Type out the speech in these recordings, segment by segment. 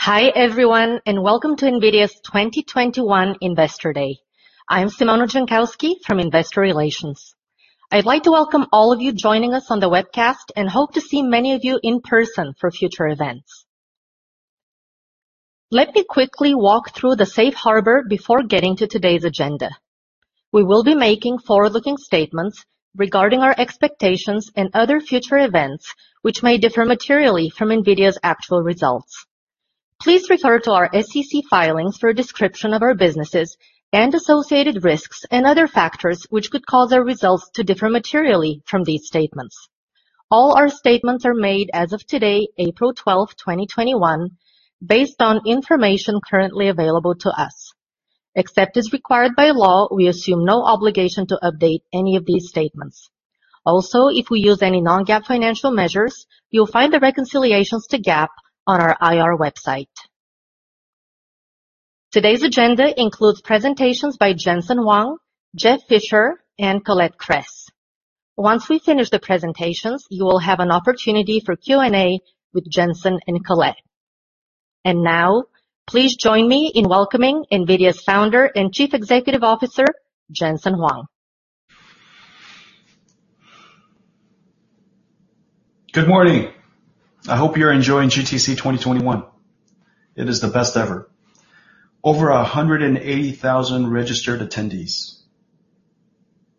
Hi, everyone, welcome to NVIDIA's 2021 Investor Day. I'm Simona Jankowski from Investor Relations. I'd like to welcome all of you joining us on the webcast and hope to see many of you in person for future events. Let me quickly walk through the safe harbor before getting to today's agenda. We will be making forward-looking statements regarding our expectations and other future events, which may differ materially from NVIDIA's actual results. Please refer to our SEC filings for a description of our businesses and associated risks and other factors which could cause our results to differ materially from these statements. All our statements are made as of today, April 12, 2021, based on information currently available to us. Except as required by law, we assume no obligation to update any of these statements. Also, if we use any non-GAAP financial measures, you'll find the reconciliations to GAAP on our IR website. Today's agenda includes presentations by Jensen Huang, Jeff Fisher, and Colette Kress. Once we finish the presentations, you will have an opportunity for Q&A with Jensen and Colette. Now, please join me in welcoming NVIDIA's Founder and Chief Executive Officer, Jensen Huang. Good morning. I hope you're enjoying GTC 2021. It is the best ever. Over 180,000 registered attendees.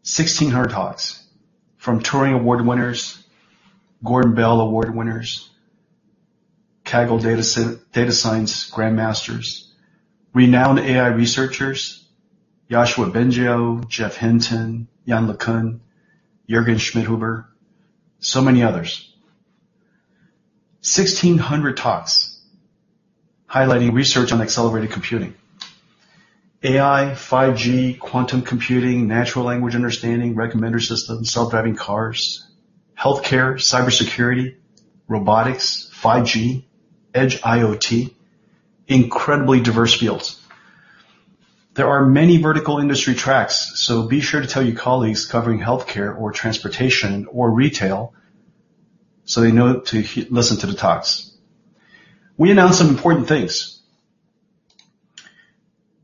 1,600 talks from Turing Award winners, Gordon Bell Award winners, Kaggle Data Science Grand Masters, renowned AI researchers, Yoshua Bengio, Geoff Hinton, Yann LeCun, Jürgen Schmidhuber, so many others. 1,600 talks highlighting research on accelerated computing, AI, 5G, quantum computing, natural language understanding, recommender systems, self-driving cars, healthcare, cybersecurity, robotics, 5G, edge IoT, incredibly diverse fields. There are many vertical industry tracks, so be sure to tell your colleagues covering healthcare or transportation or retail so they know to listen to the talks. We announced some important things.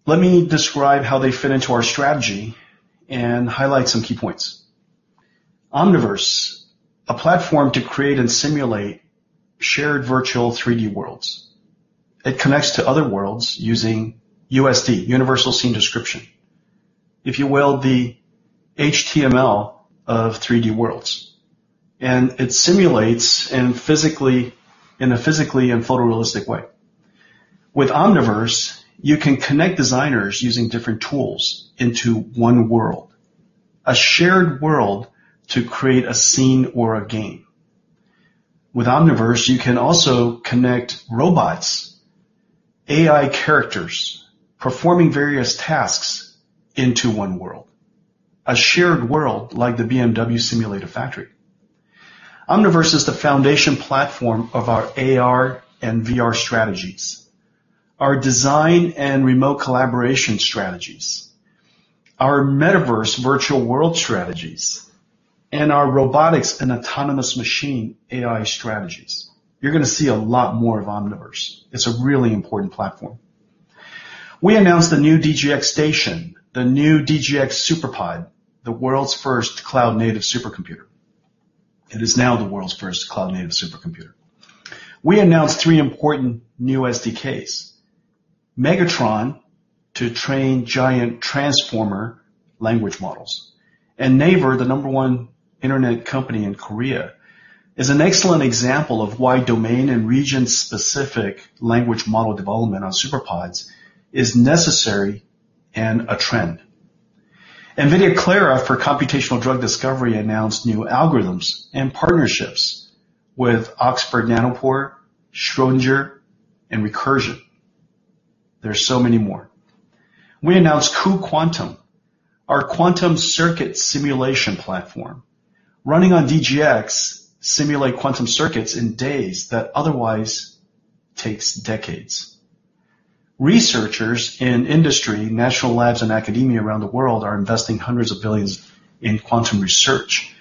Let me describe how they fit into our strategy and highlight some key points. Omniverse, a platform to create and simulate shared virtual 3D worlds. It connects to other worlds using USD, Universal Scene Description. If you will, the HTML of 3D worlds. It simulates in a physically and photorealistic way. With Omniverse, you can connect designers using different tools into one world, a shared world to create a scene or a game. With Omniverse, you can also connect robots, AI characters, performing various tasks into one world. A shared world like the BMW Simulator Factory. Omniverse is the foundation platform of our AR and VR strategies, our design and remote collaboration strategies, our metaverse virtual world strategies, and our robotics and autonomous machine AI strategies. You're going to see a lot more of Omniverse. It's a really important platform. We announced the new DGX station, the new DGX SuperPOD, the world's first cloud-native supercomputer. It is now the world's first cloud-native supercomputer. We announced three important new SDKs. Megatron to train giant transformer language models. Naver, the number one internet company in Korea, is an excellent example of why domain and region-specific language model development on SuperPODs is necessary and a trend. NVIDIA Clara for computational drug discovery announced new algorithms and partnerships with Oxford Nanopore, Schrödinger, and Recursion. There are so many more. We announced cuQuantum, our quantum circuit simulation platform. Running on DGX, simulate quantum circuits in days that otherwise takes decades. Researchers in industry, national labs, and academia around the world are investing hundreds of billions in quantum research.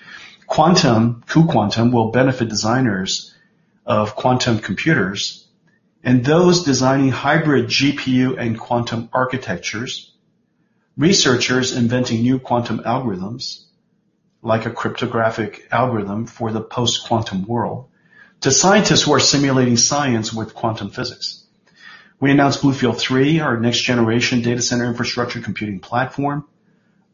cuQuantum will benefit designers of quantum computers and those designing hybrid GPU and quantum architectures, researchers inventing new quantum algorithms, like a cryptographic algorithm for the post-quantum world, to scientists who are simulating science with quantum physics. We announced BlueField-3, our next-generation data center infrastructure computing platform,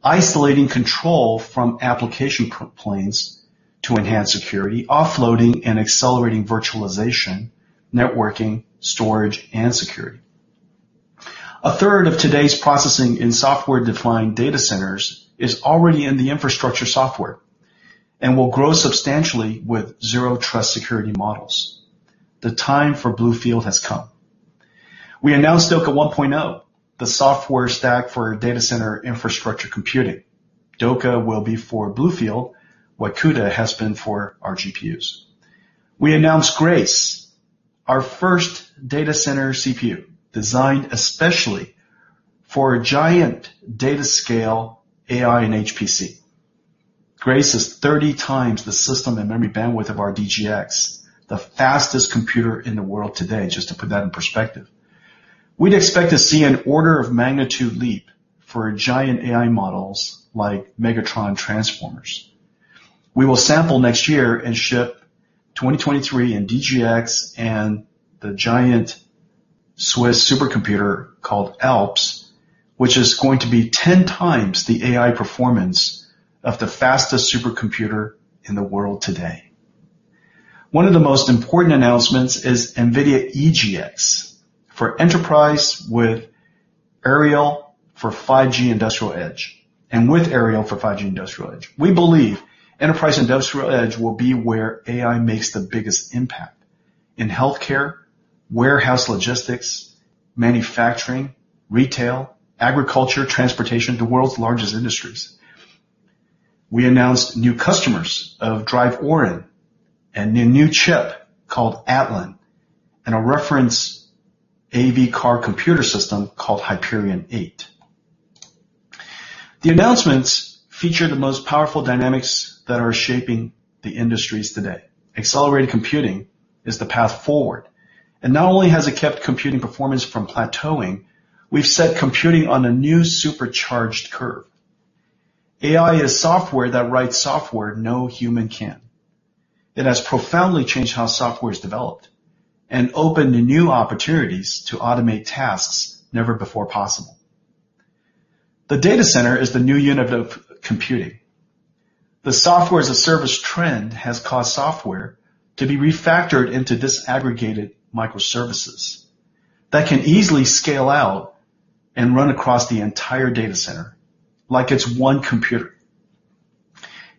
isolating control from application planes to enhance security, offloading and accelerating virtualization, networking, storage, and security. A third of today's processing in software-defined data centers is already in the infrastructure software and will grow substantially with zero-trust security models. The time for BlueField has come. We announced DOCA 1.0, the software stack for data center infrastructure computing. DOCA will be for BlueField what CUDA has been for our GPUs. We announced Grace, our first data center CPU, designed especially for a giant data scale AI and HPC. Grace is 30 times the system and memory bandwidth of our DGX, the fastest computer in the world today, just to put that in perspective. We'd expect to see an order of magnitude leap for giant AI models like Megatron Transformers. We will sample next year and ship 2023 in DGX and the giant Swiss supercomputer called Alps, which is going to be 10 times the AI performance of the fastest supercomputer in the world today. One of the most important announcements is NVIDIA EGX for enterprise with Aerial for 5G industrial edge. We believe enterprise industrial edge will be where AI makes the biggest impact in healthcare, warehouse logistics, manufacturing, retail, agriculture, transportation, the world's largest industries. We announced new customers of DRIVE Orin and a new chip called Atlan and a reference AV car computer system called Hyperion 8. The announcements feature the most powerful dynamics that are shaping the industries today. Accelerated computing is the path forward. Not only has it kept computing performance from plateauing, we've set computing on a new supercharged curve. AI is software that writes software no human can. It has profoundly changed how software is developed and opened the new opportunities to automate tasks never before possible. The data center is the new unit of computing. The software-as-a-service trend has caused software to be refactored into disaggregated microservices that can easily scale out and run across the entire data center like it's one computer.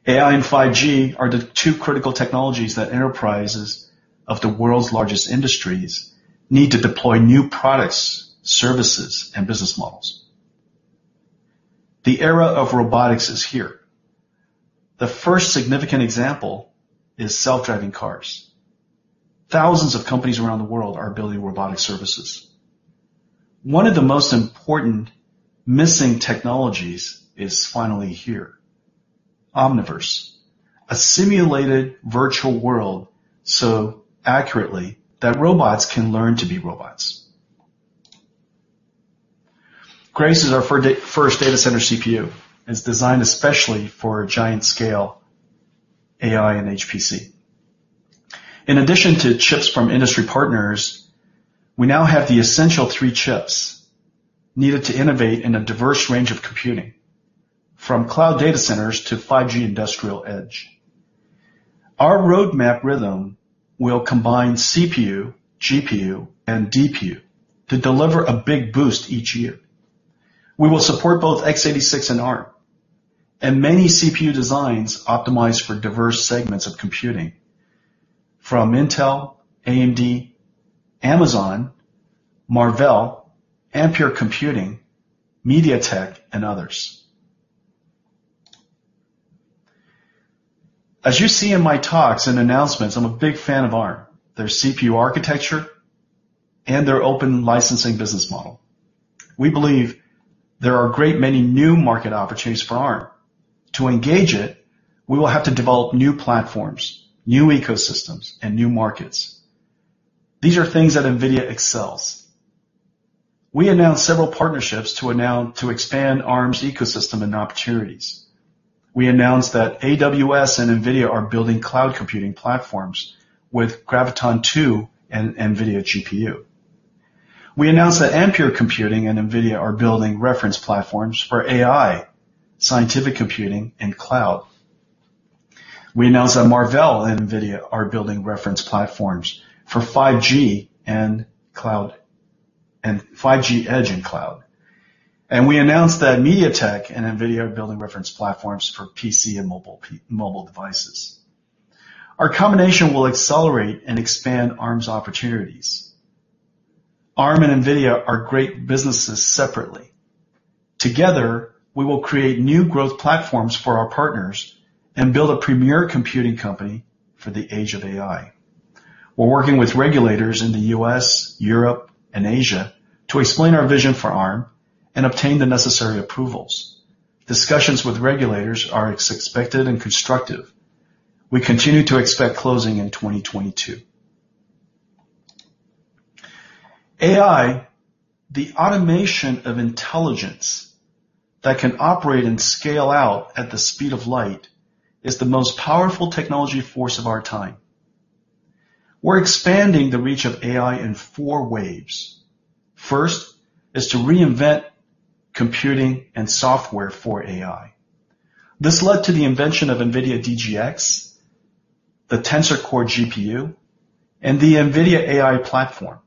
AI and 5G are the two critical technologies that enterprises of the world's largest industries need to deploy new products, services, and business models. The era of robotics is here. The first significant example is self-driving cars. Thousands of companies around the world are building robotic services. One of the most important missing technologies is finally here. Omniverse, a simulated virtual world so accurately that robots can learn to be robots. Grace is our first data center CPU. It's designed especially for giant scale AI and HPC. In addition to chips from industry partners, we now have the essential three chips needed to innovate in a diverse range of computing, from cloud data centers to 5G industrial edge. Our roadmap rhythm will combine CPU, GPU, and DPU to deliver a big boost each year. We will support both x86 and Arm, and many CPU designs optimized for diverse segments of computing from Intel, AMD, Amazon, Marvell, Ampere Computing, MediaTek, and others. As you see in my talks and announcements, I'm a big fan of Arm, their CPU architecture, and their open licensing business model. We believe there are great many new market opportunities for Arm. To engage it, we will have to develop new platforms, new ecosystems, and new markets. These are things that NVIDIA excels. We announced several partnerships to expand Arm's ecosystem and opportunities. We announced that AWS and NVIDIA are building cloud computing platforms with Graviton2 and NVIDIA GPU. We announced that Ampere Computing and NVIDIA are building reference platforms for AI, scientific computing, and cloud. We announced that Marvell and NVIDIA are building reference platforms for 5G edge and cloud. We announced that MediaTek and NVIDIA are building reference platforms for PC and mobile devices. Our combination will accelerate and expand Arm's opportunities. Arm and NVIDIA are great businesses separately. Together, we will create new growth platforms for our partners and build a premier computing company for the age of AI. We're working with regulators in the U.S., Europe, and Asia to explain our vision for Arm and obtain the necessary approvals. Discussions with regulators are expected and constructive. We continue to expect closing in 2022. AI, the automation of intelligence that can operate and scale out at the speed of light, is the most powerful technology force of our time. We're expanding the reach of AI in four waves. First is to reinvent computing and software for AI. This led to the invention of NVIDIA DGX, the Tensor Core GPU, and the NVIDIA AI platform.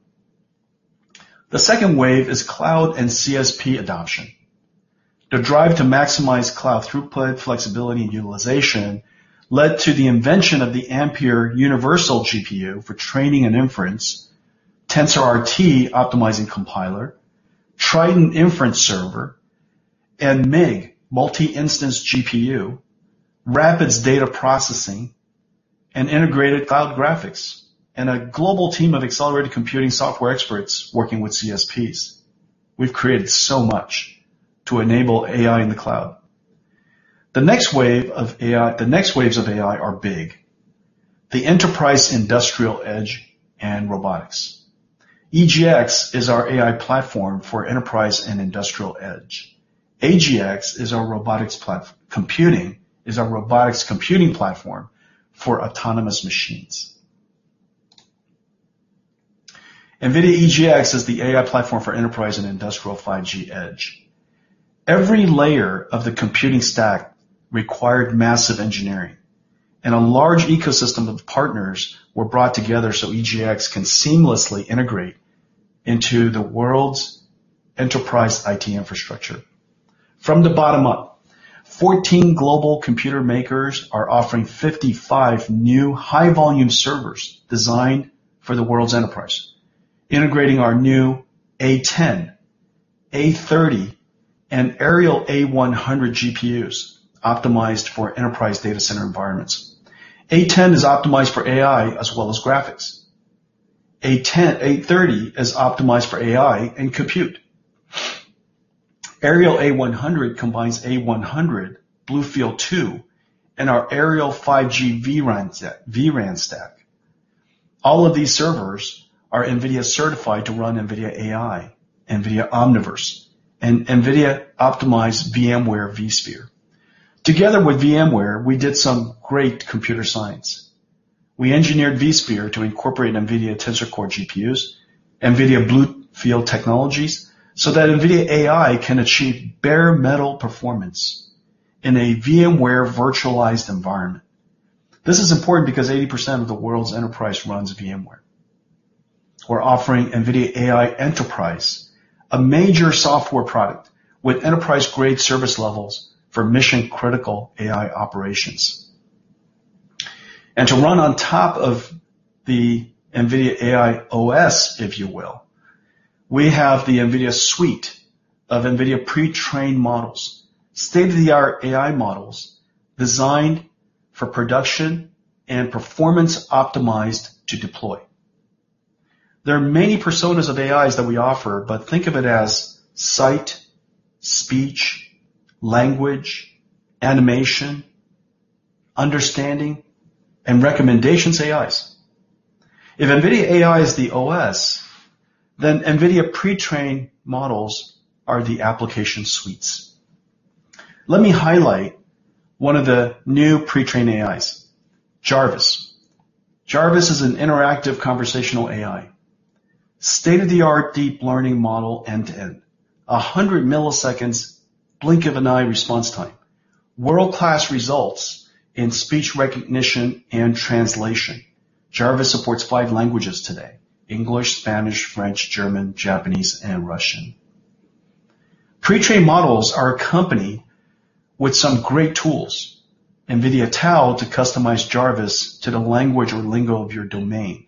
The second wave is cloud and CSP adoption. The drive to maximize cloud throughput, flexibility, and utilization led to the invention of the Ampere universal GPU for training and inference, TensorRT optimizing compiler, Triton Inference Server, and MIG, Multi-Instance GPU, RAPIDS data processing and integrated cloud graphics and a global team of accelerated computing software experts working with CSPs. We've created so much to enable AI in the cloud. The next waves of AI are big. The enterprise industrial edge and robotics. EGX is our AI platform for enterprise and industrial Edge. AGX is our robotics platform. Computing is our robotics computing platform for autonomous machines. NVIDIA EGX is the AI platform for enterprise and industrial 5G Edge. Every layer of the computing stack required massive engineering and a large ecosystem of partners were brought together so EGX can seamlessly integrate into the world's enterprise IT infrastructure. From the bottom up, 14 global computer makers are offering 55 new high-volume servers designed for the world's enterprise, integrating our new A10, A30, and Aerial A100 GPUs optimized for enterprise data center environments. A10 is optimized for AI as well as graphics. A30 is optimized for AI and compute. Aerial A100 combines A100 BlueField-2 and our Aerial 5G vRAN stack. All of these servers are NVIDIA certified to run NVIDIA AI, NVIDIA Omniverse, and NVIDIA optimized VMware vSphere. Together with VMware, we did some great computer science. We engineered vSphere to incorporate NVIDIA Tensor Core GPUs, NVIDIA BlueField technologies, so that NVIDIA AI can achieve bare metal performance in a VMware virtualized environment. This is important because 80% of the world's enterprise runs VMware. We're offering NVIDIA AI Enterprise, a major software product with enterprise-grade service levels for mission-critical AI operations. To run on top of the NVIDIA AI OS, if you will, we have the NVIDIA suite of NVIDIA pre-trained models. State-of-the-art AI models designed for production and performance optimized to deploy. There are many personas of AIs that we offer. Think of it as sight, speech, language, animation, understanding, and recommendations AIs. If NVIDIA AI is the OS, NVIDIA pre-trained models are the application suites. Let me highlight one of the new pre-trained AIs, Jarvis. Jarvis is an interactive conversational AI. State-of-the-art deep learning model end-to-end. 100 milliseconds blink of an eye response time. World-class results in speech recognition and translation. Jarvis supports five languages today: English, Spanish, French, German, Japanese, and Russian. Pre-trained models are accompanied with some great tools. NVIDIA TAO to customize Jarvis to the language or lingo of your domain,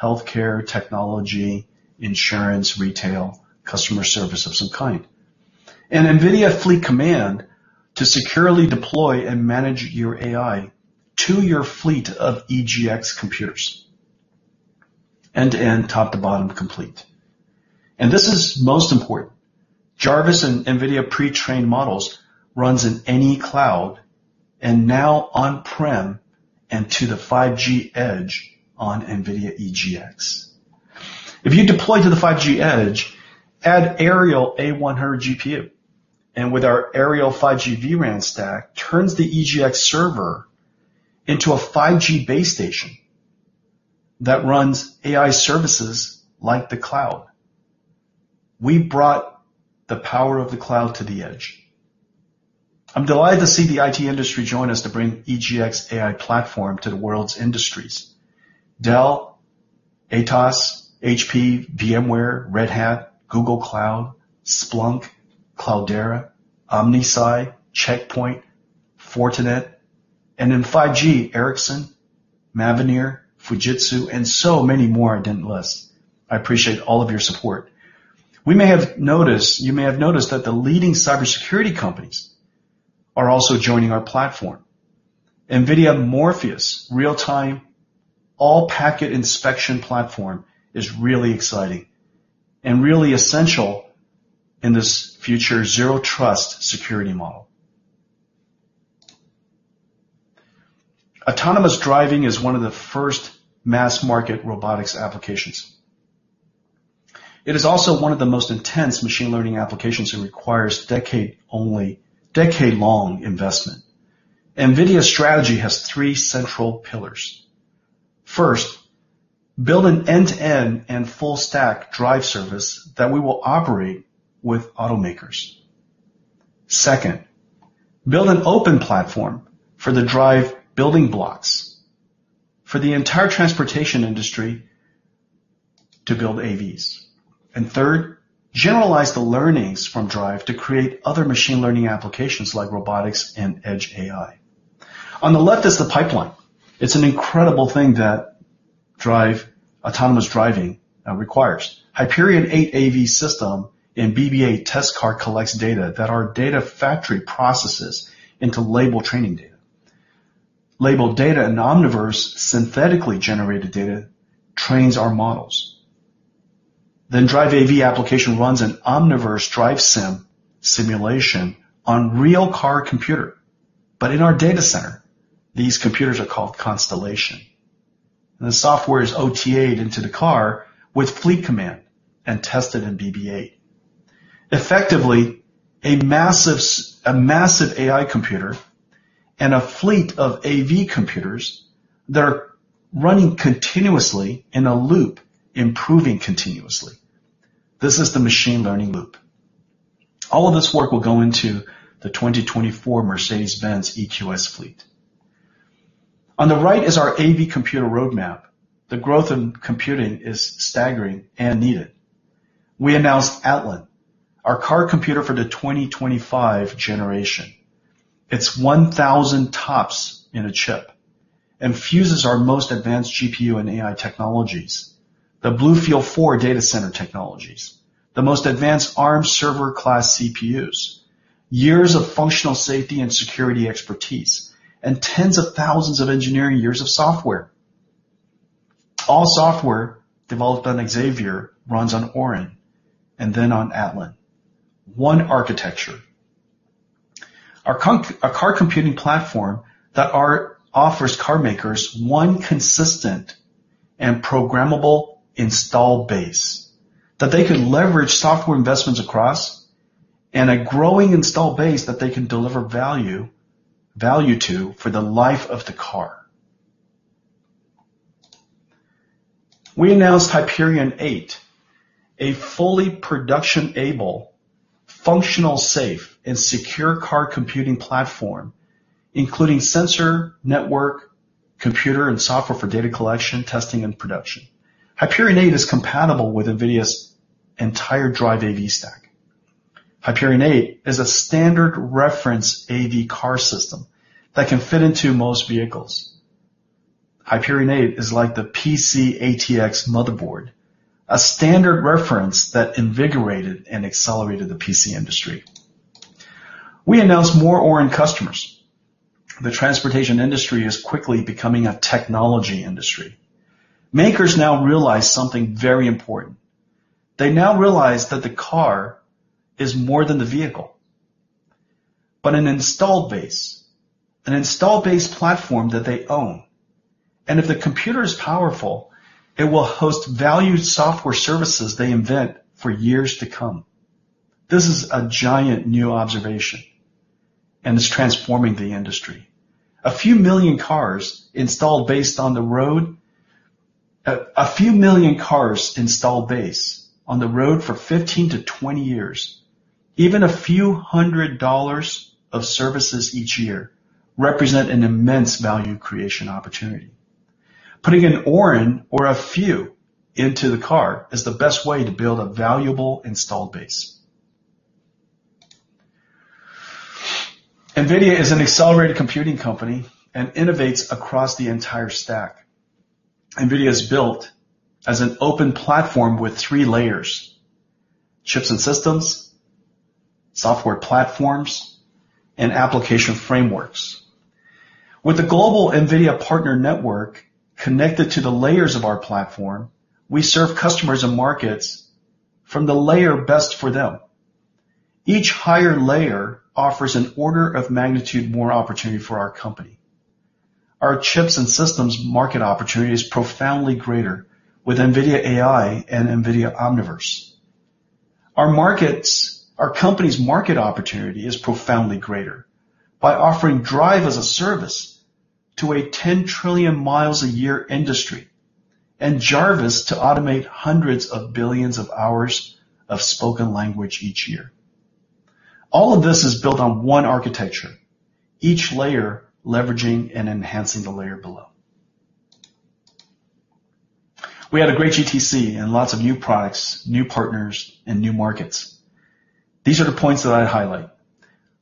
healthcare, technology, insurance, retail, customer service of some kind. NVIDIA Fleet Command to securely deploy and manage your AI to your fleet of EGX computers. End-to-end, top to bottom complete. This is most important. Jarvis and NVIDIA pre-trained models runs in any cloud and now on-prem and to the 5G Edge on NVIDIA EGX. If you deploy to the 5G Edge, add Aerial A100 GPU. With our Aerial 5G vRAN stack, turns the EGX server into a 5G base station that runs AI services like the cloud. We brought the power of the cloud to the edge. I'm delighted to see the IT industry join us to bring EGX AI platform to the world's industries. Dell, Atos, HP, VMware, Red Hat, Google Cloud, Splunk, Cloudera, OmniSci, Check Point, Fortinet, and in 5G, Ericsson, Mavenir, Fujitsu, and so many more I didn't list. I appreciate all of your support. You may have noticed that the leading cybersecurity companies are also joining our platform. NVIDIA Morpheus real-time all-packet inspection platform is really exciting and really essential in this future zero-trust security model. Autonomous driving is one of the first mass-market robotics applications. It is also one of the most intense machine learning applications that requires decade-long investment. NVIDIA's strategy has three central pillars. First, build an end-to-end and full-stack drive service that we will operate with automakers. Second, build an open platform for the DRIVE building blocks for the entire transportation industry to build AVs. Third, generalize the learnings from DRIVE to create other machine learning applications like robotics and edge AI. On the left is the pipeline. It's an incredible thing that DRIVE autonomous driving requires. DRIVE Hyperion 8 AV system in BB8 test car collects data that our data factory processes into label training data. Labeled data in Omniverse synthetically generated data trains our models. DRIVE AV application runs an Omniverse DRIVE Sim simulation on real car computer, but in our data center. These computers are called DRIVE Constellation. The software is OTA'd into the car with NVIDIA Fleet Command and tested in BB8. Effectively, a massive AI computer and a fleet of AV computers that are running continuously in a loop, improving continuously. This is the machine learning loop. All of this work will go into the 2024 Mercedes-Benz EQS fleet. On the right is our AV computer roadmap. The growth in computing is staggering and needed. We announced Atlan, our car computer for the 2025 generation. It's 1,000 TOPS in a chip and fuses our most advanced GPU and AI technologies, the BlueField-4 data center technologies, the most advanced Arm server class CPUs, years of functional safety and security expertise, and tens of thousands of engineering years of software. All software developed on Xavier runs on Orin, and then on Atlan. One architecture. A car computing platform that offers car makers one consistent and programmable install base that they could leverage software investments across, and a growing install base that they can deliver value to for the life of the car. We announced Hyperion 8, a fully production-able, functional safe, and secure car computing platform, including sensor, network, computer, and software for data collection, testing, and production. Hyperion 8 is compatible with NVIDIA's entire DRIVE AV stack. Hyperion 8 is a standard reference AV car system that can fit into most vehicles. Hyperion 8 is like the PC ATX motherboard, a standard reference that invigorated and accelerated the PC industry. We announced more Orin customers. The transportation industry is quickly becoming a technology industry. Makers now realize something very important. They now realize that the car is more than the vehicle, but an install base platform that they own. If the computer is powerful, it will host valued software services they invent for years to come. This is a giant new observation, and it's transforming the industry. A few million cars install base on the road for 15-20 years. Even a $few hundred of services each year represent an immense value creation opportunity. Putting an Orin or a few into the car is the best way to build a valuable install base. NVIDIA is an accelerated computing company and innovates across the entire stack. NVIDIA is built as an open platform with three layers, chips and systems, software platforms, and application frameworks. With the global NVIDIA partner network connected to the layers of our platform, we serve customers and markets from the layer best for them. Each higher layer offers an order of magnitude more opportunity for our company. Our chips and systems market opportunity is profoundly greater with NVIDIA AI and NVIDIA Omniverse. Our company's market opportunity is profoundly greater by offering NVIDIA DRIVE as a service to a 10 trillion miles a year industry, and NVIDIA Jarvis to automate hundreds of billions of hours of spoken language each year. All of this is built on one architecture, each layer leveraging and enhancing the layer below. We had a great GTC and lots of new products, new partners, and new markets. These are the points that I highlight.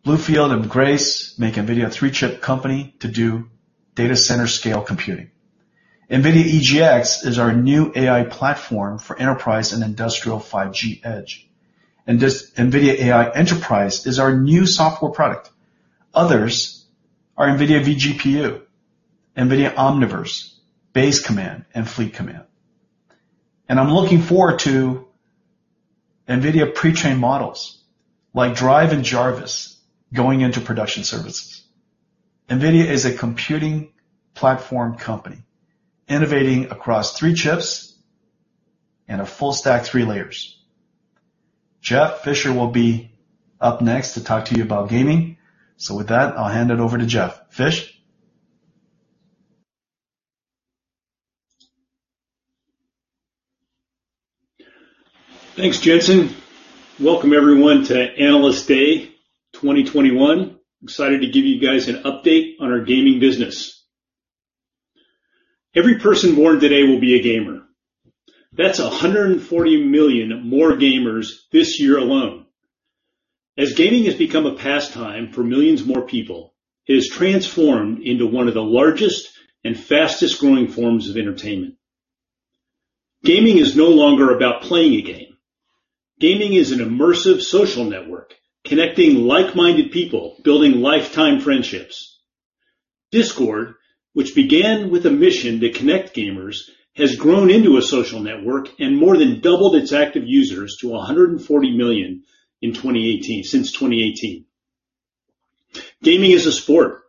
BlueField and Grace make NVIDIA a three-chip company to do data center scale computing. NVIDIA EGX is our new AI platform for enterprise and industrial 5G Edge. NVIDIA AI Enterprise is our new software product. Others are NVIDIA vGPU, NVIDIA Omniverse, Base Command, and NVIDIA Fleet Command. I'm looking forward to NVIDIA pre-trained models like NVIDIA DRIVE and NVIDIA Jarvis going into production services. NVIDIA is a computing platform company innovating across three chips and a full stack three layers. Jeff Fisher will be up next to talk to you about gaming. With that, I'll hand it over to Jeff. Fisher? Thanks, Jensen. Welcome, everyone, to Analyst Day 2021. I'm excited to give you guys an update on our gaming business. Every person born today will be a gamer. That's 140 million more gamers this year alone. As gaming has become a pastime for millions more people, it has transformed into one of the largest and fastest-growing forms of entertainment. Gaming is no longer about playing a game. Gaming is an immersive social network connecting like-minded people, building lifetime friendships. Discord, which began with a mission to connect gamers, has grown into a social network and more than doubled its active users to 140 million since 2018. Gaming is a sport.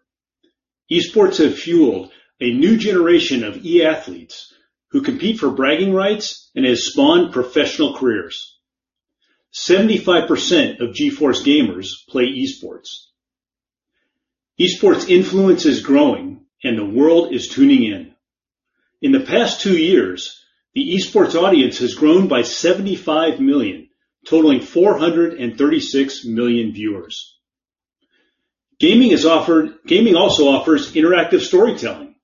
Esports have fueled a new generation of e-athletes who compete for bragging rights and has spawned professional careers. 75% of GeForce gamers play esports. Esports influence is growing and the world is tuning in. In the past two years, the esports audience has grown by 75 million, totaling 436 million viewers. Gaming also offers interactive storytelling.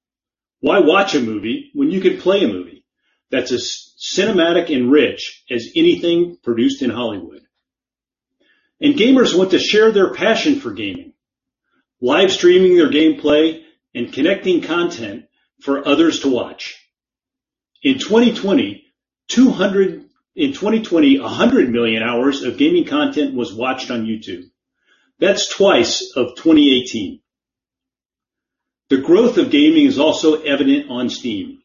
Why watch a movie when you can play a movie that's as cinematic and rich as anything produced in Hollywood? Gamers want to share their passion for gaming, live streaming their gameplay and connecting content for others to watch. In 2020, 100 million hours of gaming content was watched on YouTube. That's twice of 2018. The growth of gaming is also evident on Steam,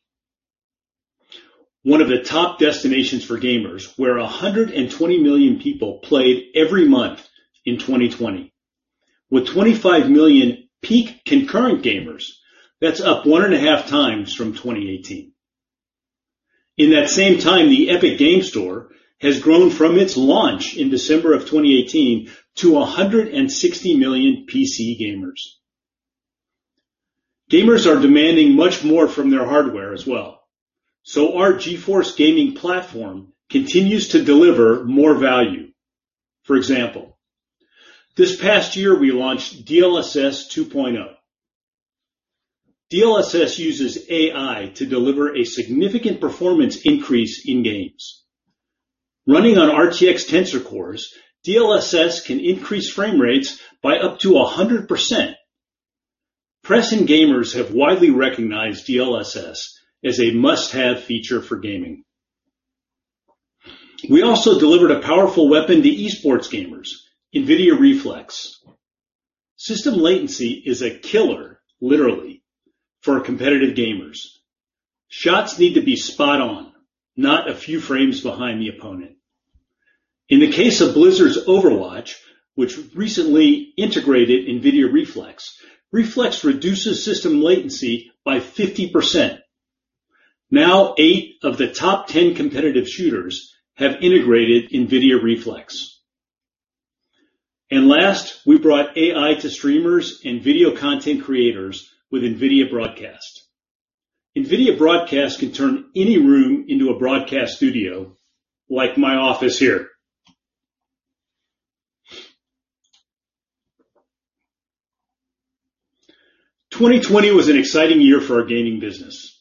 one of the top destinations for gamers, where 120 million people played every month in 2020. With 25 million peak concurrent gamers, that's up one and a half times from 2018. In that same time, the Epic Games Store has grown from its launch in December of 2018 to 160 million PC gamers. Gamers are demanding much more from their hardware as well. Our GeForce gaming platform continues to deliver more value. For example, this past year we launched DLSS 2.0. DLSS uses AI to deliver a significant performance increase in games. Running on RTX Tensor Cores, DLSS can increase frame rates by up to 100%. Press and gamers have widely recognized DLSS as a must-have feature for gaming. We also delivered a powerful weapon to esports gamers, NVIDIA Reflex. System latency is a killer, literally, for competitive gamers. Shots need to be spot on, not a few frames behind the opponent. In the case of Blizzard's Overwatch, which recently integrated NVIDIA Reflex reduces system latency by 50%. Now, eight of the top 10 competitive shooters have integrated NVIDIA Reflex. Last, we brought AI to streamers and video content creators with NVIDIA Broadcast. NVIDIA Broadcast can turn any room into a broadcast studio, like my office here. 2020 was an exciting year for our gaming business.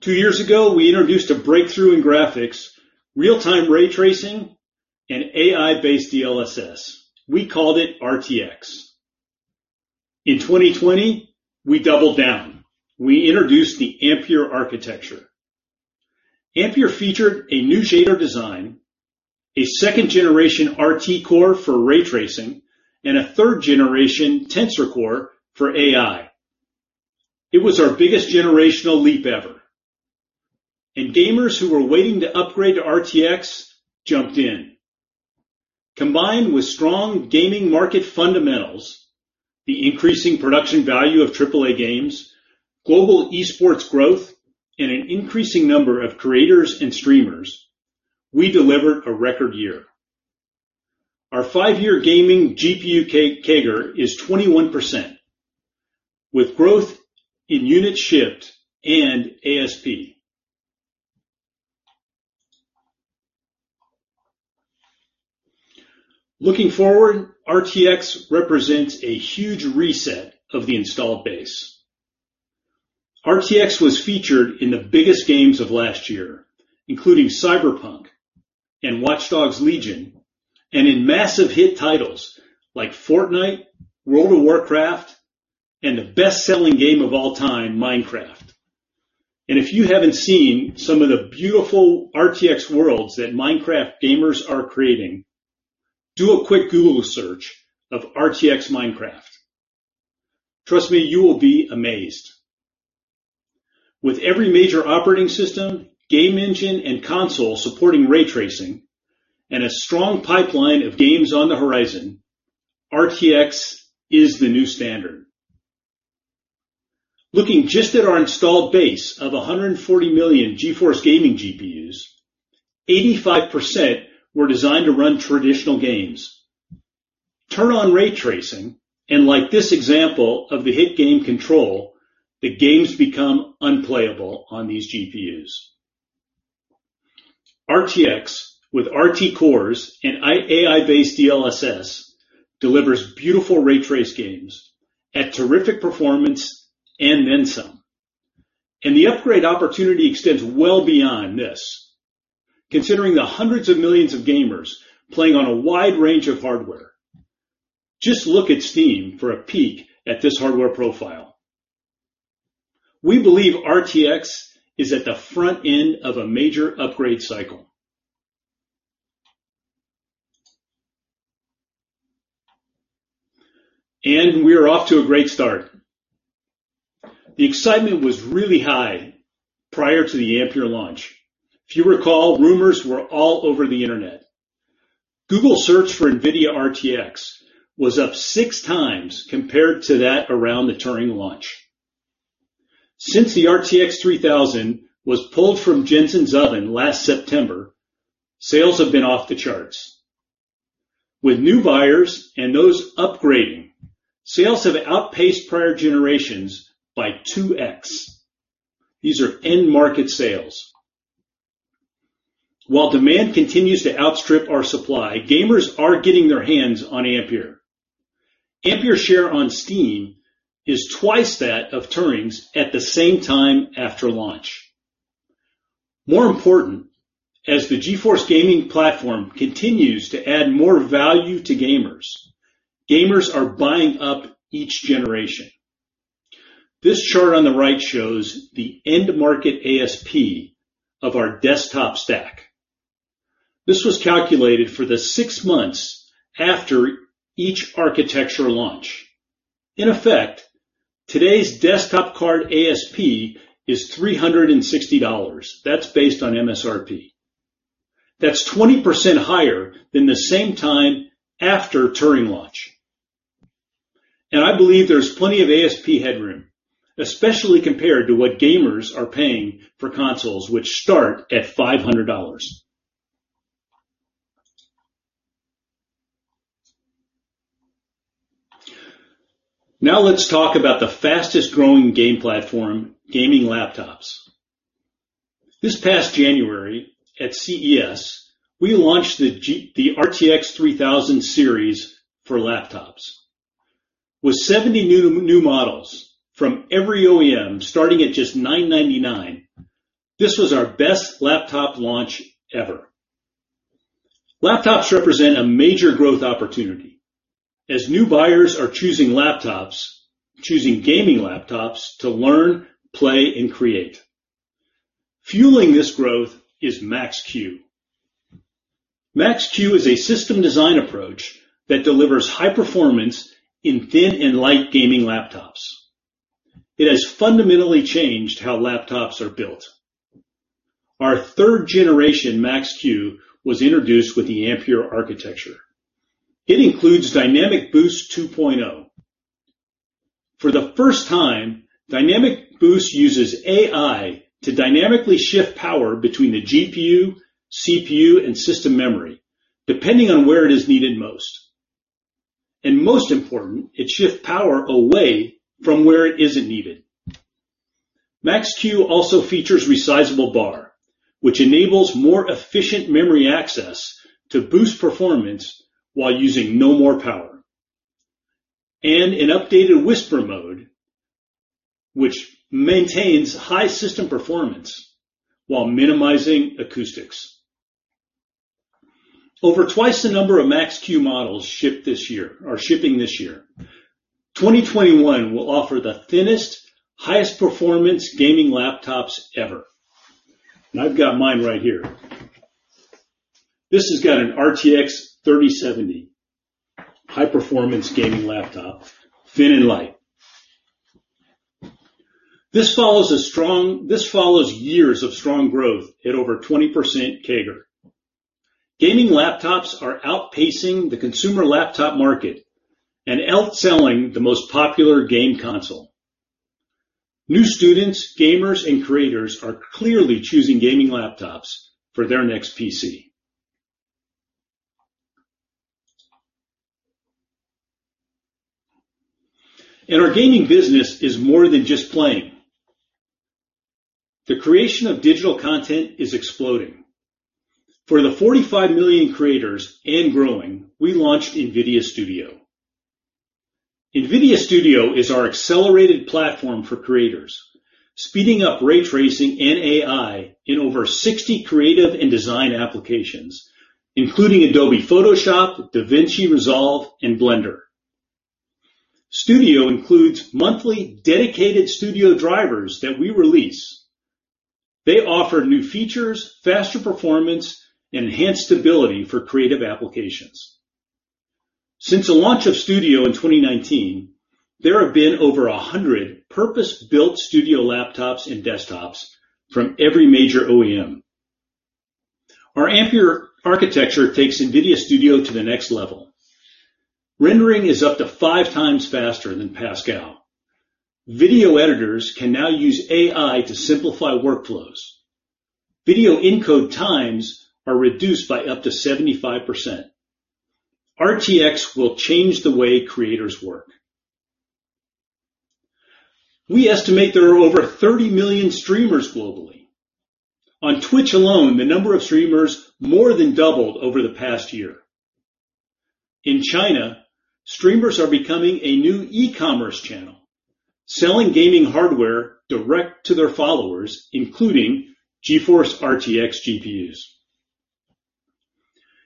Two years ago, we introduced a breakthrough in graphics, real-time ray tracing, and AI-based DLSS. We called it RTX. In 2020, we doubled down. We introduced the Ampere architecture. Ampere featured a new shader design, a second generation RT core for ray tracing, and a third generation Tensor core for AI. It was our biggest generational leap ever, and gamers who were waiting to upgrade to RTX jumped in. Combined with strong gaming market fundamentals, the increasing production value of AAA games, global esports growth, and an increasing number of creators and streamers, we delivered a record year. Our five-year gaming GPU CAGR is 21%, with growth in units shipped and ASP. Looking forward, RTX represents a huge reset of the installed base. RTX was featured in the biggest games of last year, including Cyberpunk and Watch Dogs: Legion, and in massive hit titles like Fortnite, World of Warcraft, and the best-selling game of all time, Minecraft. If you haven't seen some of the beautiful RTX worlds that Minecraft gamers are creating, do a quick Google search of RTX Minecraft. Trust me, you will be amazed. With every major operating system, game engine, and console supporting ray tracing, and a strong pipeline of games on the horizon, RTX is the new standard. Looking just at our installed base of 140 million GeForce gaming GPUs, 85% were designed to run traditional games. Turn on ray tracing, and like this example of the hit game, Control, the games become unplayable on these GPUs. RTX with RT Cores and AI-based DLSS delivers beautiful ray-traced games at terrific performance and then some. The upgrade opportunity extends well beyond this, considering the hundreds of millions of gamers playing on a wide range of hardware. Just look at Steam for a peek at this hardware profile. We believe RTX is at the front end of a major upgrade cycle. We are off to a great start. The excitement was really high prior to the Ampere launch. If you recall, rumors were all over the internet. Google search for NVIDIA RTX was up six times compared to that around the Turing launch. Since the RTX 3000 was pulled from Jensen's oven last September, sales have been off the charts. With new buyers and those upgrading, sales have outpaced prior generations by 2x. These are end market sales. While demand continues to outstrip our supply, gamers are getting their hands on Ampere. Ampere share on Steam is twice that of Turing's at the same time after launch. More important, as the GeForce gaming platform continues to add more value to gamers are buying up each generation. This chart on the right shows the end market ASP of our desktop stack. This was calculated for the six months after each architecture launch. In effect, today's desktop card ASP is $360. That's based on MSRP. That's 20% higher than the same time after Turing launch. I believe there's plenty of ASP headroom, especially compared to what gamers are paying for consoles, which start at $500. Now let's talk about the fastest growing game platform, gaming laptops. This past January at CES, we launched the RTX 3000 series for laptops. With 70 new models from every OEM starting at just 999, this was our best laptop launch ever. Laptops represent a major growth opportunity as new buyers are choosing laptops, choosing gaming laptops to learn, play, and create. Fueling this growth is Max-Q. Max-Q is a system design approach that delivers high performance in thin and light gaming laptops. It has fundamentally changed how laptops are built. Our third generation Max-Q was introduced with the Ampere architecture. It includes Dynamic Boost 2.0. For the first time, Dynamic Boost uses AI to dynamically shift power between the GPU, CPU, and system memory, depending on where it is needed most. Most important, it shifts power away from where it isn't needed. Max-Q also features Resizable BAR, which enables more efficient memory access to boost performance while using no more power. An updated WhisperMode, which maintains high system performance while minimizing acoustics. Over twice the number of Max-Q models are shipping this year. 2021 will offer the thinnest, highest performance gaming laptops ever. I've got mine right here. This has got an RTX 3070. High-performance gaming laptop, thin and light. This follows years of strong growth at over 20% CAGR. Gaming laptops are outpacing the consumer laptop market and outselling the most popular game console. New students, gamers, and creators are clearly choosing gaming laptops for their next PC. Our gaming business is more than just playing. The creation of digital content is exploding. For the 45 million creators and growing, we launched NVIDIA Studio. NVIDIA Studio is our accelerated platform for creators, speeding up ray tracing and AI in over 60 creative and design applications, including Adobe Photoshop, DaVinci Resolve, and Blender. Studio includes monthly dedicated Studio drivers that we release. They offer new features, faster performance, and enhanced stability for creative applications. Since the launch of Studio in 2019, there have been over 100 purpose-built Studio laptops and desktops from every major OEM. Our Ampere architecture takes NVIDIA Studio to the next level. Rendering is up to five times faster than Pascal. Video editors can now use AI to simplify workflows. Video encode times are reduced by up to 75%. RTX will change the way creators work. We estimate there are over 30 million streamers globally. On Twitch alone, the number of streamers more than doubled over the past year. In China, streamers are becoming a new e-commerce channel, selling gaming hardware direct to their followers, including GeForce RTX GPUs.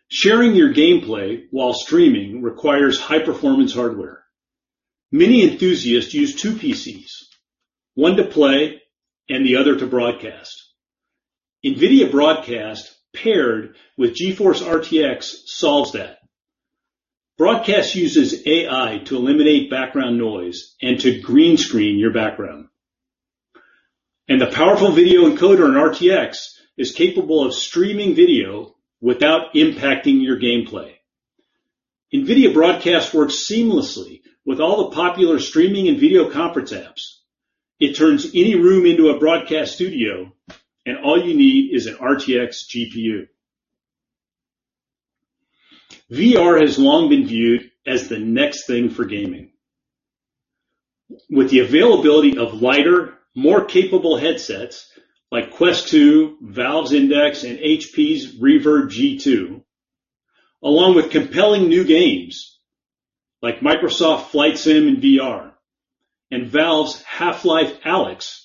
Sharing your gameplay while streaming requires high-performance hardware. Many enthusiasts use two PCs, one to play and the other to broadcast. NVIDIA Broadcast paired with GeForce RTX solves that. Broadcast uses AI to eliminate background noise and to green screen your background. The powerful video encoder in RTX is capable of streaming video without impacting your gameplay. NVIDIA Broadcast works seamlessly with all the popular streaming and video conference apps. It turns any room into a broadcast studio, and all you need is an RTX GPU. VR has long been viewed as the next thing for gaming. With the availability of lighter, more capable headsets like Quest 2, Valve's Index, and HP's Reverb G2, along with compelling new games like Microsoft Flight Sim in VR and Valve's Half-Life: Alyx,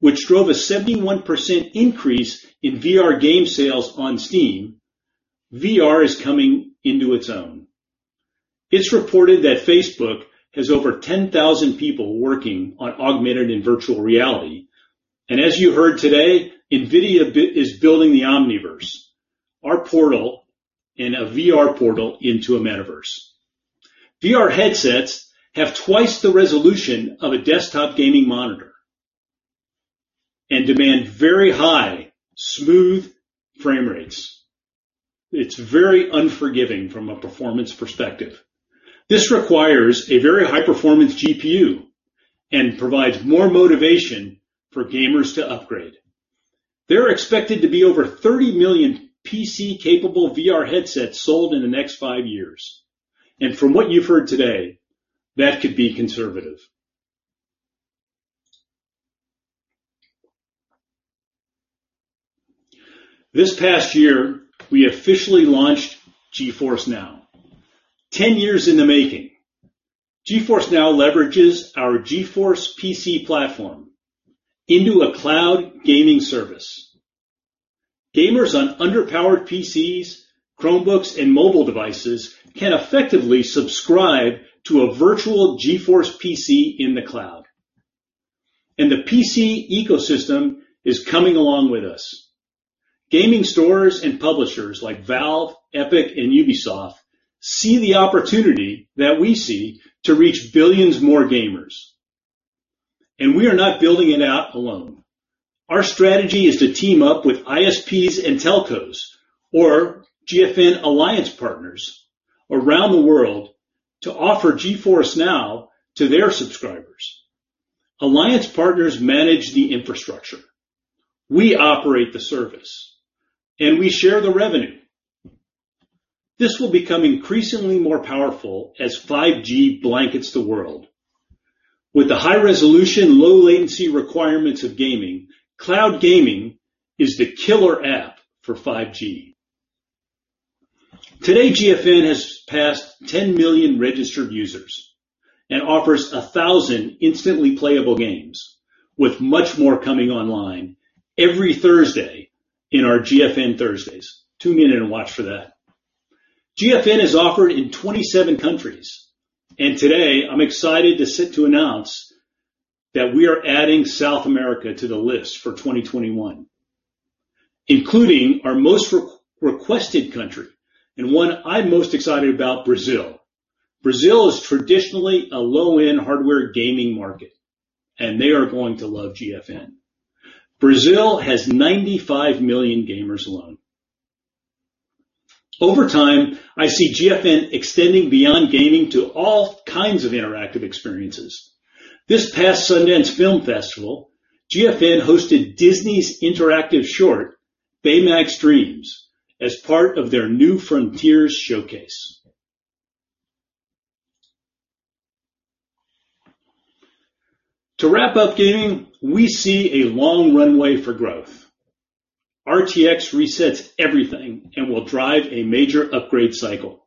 which drove a 71% increase in VR game sales on Steam, VR is coming into its own. It is reported that Facebook has over 10,000 people working on augmented and virtual reality. As you heard today, NVIDIA is building the Omniverse, our portal and a VR portal into a metaverse. VR headsets have twice the resolution of a desktop gaming monitor and demand very high, smooth frame rates. It's very unforgiving from a performance perspective. This requires a very high-performance GPU and provides more motivation for gamers to upgrade. There are expected to be over 30 million PC-capable VR headsets sold in the next five years, and from what you've heard today, that could be conservative. This past year, we officially launched GeForce NOW. 10 years in the making, GeForce NOW leverages our GeForce PC platform into a cloud gaming service. Gamers on underpowered PCs, Chromebooks, and mobile devices can effectively subscribe to a virtual GeForce PC in the cloud. The PC ecosystem is coming along with us. Gaming stores and publishers like Valve, Epic, and Ubisoft see the opportunity that we see to reach billions more gamers. We are not building it out alone. Our strategy is to team up with ISPs and telcos or GFN Alliance partners around the world to offer GeForce NOW to their subscribers. Alliance partners manage the infrastructure. We operate the service and we share the revenue. This will become increasingly more powerful as 5G blankets the world. With the high resolution, low latency requirements of gaming, cloud gaming is the killer app for 5G. Today, GFN has passed 10 million registered users and offers 1,000 instantly playable games with much more coming online every Thursday in our GFN Thursdays. Tune in and watch for that. GFN is offered in 27 countries. Today, I'm excited to announce that we are adding South America to the list for 2021, including our most requested country and one I'm most excited about, Brazil. Brazil is traditionally a low-end hardware gaming market. They are going to love GFN. Brazil has 95 million gamers alone. Over time, I see GFN extending beyond gaming to all kinds of interactive experiences. This past Sundance Film Festival, GFN hosted Disney's interactive short, Baymax Dreams, as part of their New Frontier showcase. To wrap up gaming, we see a long runway for growth. RTX resets everything and will drive a major upgrade cycle.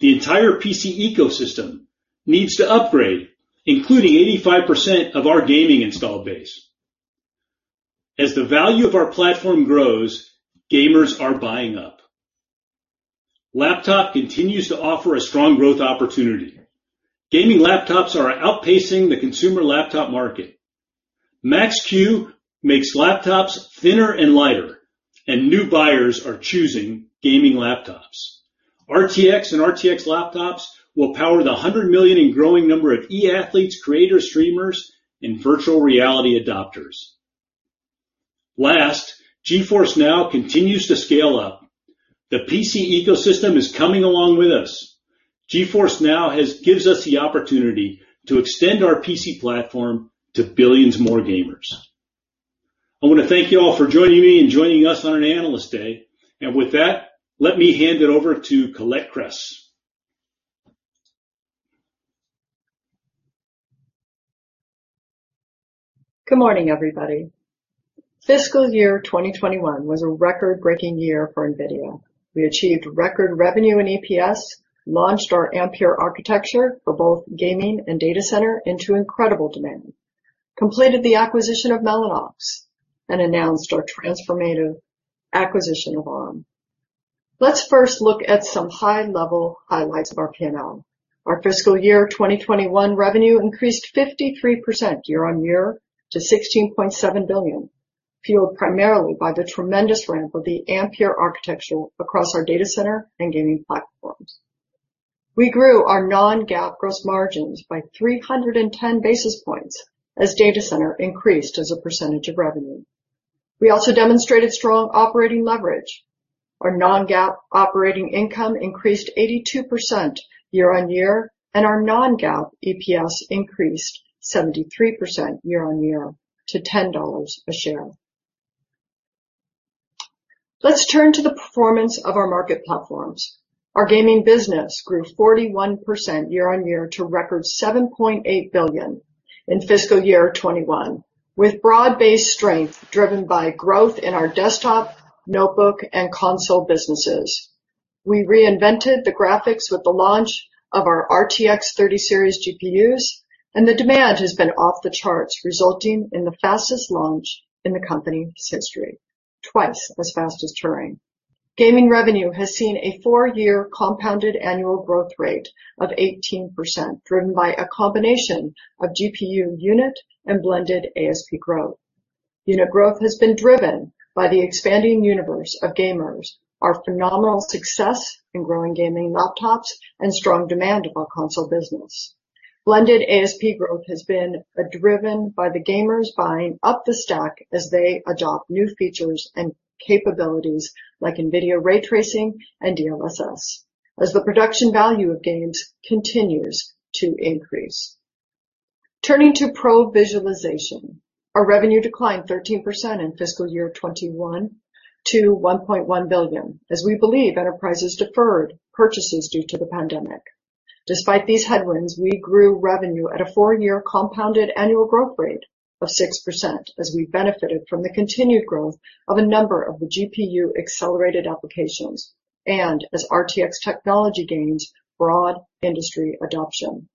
The entire PC ecosystem needs to upgrade, including 85% of our gaming installed base. As the value of our platform grows, gamers are buying up. Laptop continues to offer a strong growth opportunity. Gaming laptops are outpacing the consumer laptop market. Max-Q makes laptops thinner and lighter, and new buyers are choosing gaming laptops. RTX and RTX laptops will power the 100 million and growing number of e-athletes, creators, streamers, and virtual reality adopters. Last, GeForce NOW continues to scale up. The PC ecosystem is coming along with us. GeForce NOW gives us the opportunity to extend our PC platform to billions more gamers. I want to thank you all for joining me and joining us on our Analyst Day. With that, let me hand it over to Colette Kress. Good morning, everybody. Fiscal year 2021 was a record-breaking year for NVIDIA. We achieved record revenue and EPS, launched our Ampere architecture for both gaming and data center into incredible demand, completed the acquisition of Mellanox, and announced our transformative acquisition of Arm. Let's first look at some high-level highlights of our P&L. Our Fiscal year 2021 revenue increased 53% year-on-year to $16.7 billion, fueled primarily by the tremendous ramp of the Ampere architecture across our data center and gaming platforms. We grew our non-GAAP gross margins by 310 basis points as data center increased as a percentage of revenue. We also demonstrated strong operating leverage. Our non-GAAP operating income increased 82% year-on-year, and our non-GAAP EPS increased 73% year-on-year to $10 a share. Let's turn to the performance of our market platforms. Our gaming business grew 41% year-on-year to record $7.8 billion in fiscal year 2021, with broad-based strength driven by growth in our desktop, notebook, and console businesses. We reinvented the graphics with the launch of our RTX 30 series GPUs, and the demand has been off the charts, resulting in the fastest launch in the company's history, twice as fast as Turing. Gaming revenue has seen a four-year compounded annual growth rate of 18%, driven by a combination of GPU unit and blended ASP growth. Unit growth has been driven by the expanding universe of gamers, our phenomenal success in growing gaming laptops, and strong demand of our console business. Blended ASP growth has been driven by the gamers buying up the stack as they adopt new features and capabilities like NVIDIA Ray Tracing and DLSS, as the production value of games continues to increase. Turning to Pro Visualization, our revenue declined 13% in fiscal year 2021 to $1.1 billion, as we believe enterprises deferred purchases due to the pandemic. Despite these headwinds, we grew revenue at a four-year compounded annual growth rate of 6% as we benefited from the continued growth of a number of the GPU-accelerated applications and as RTX technology gains broad industry adoption.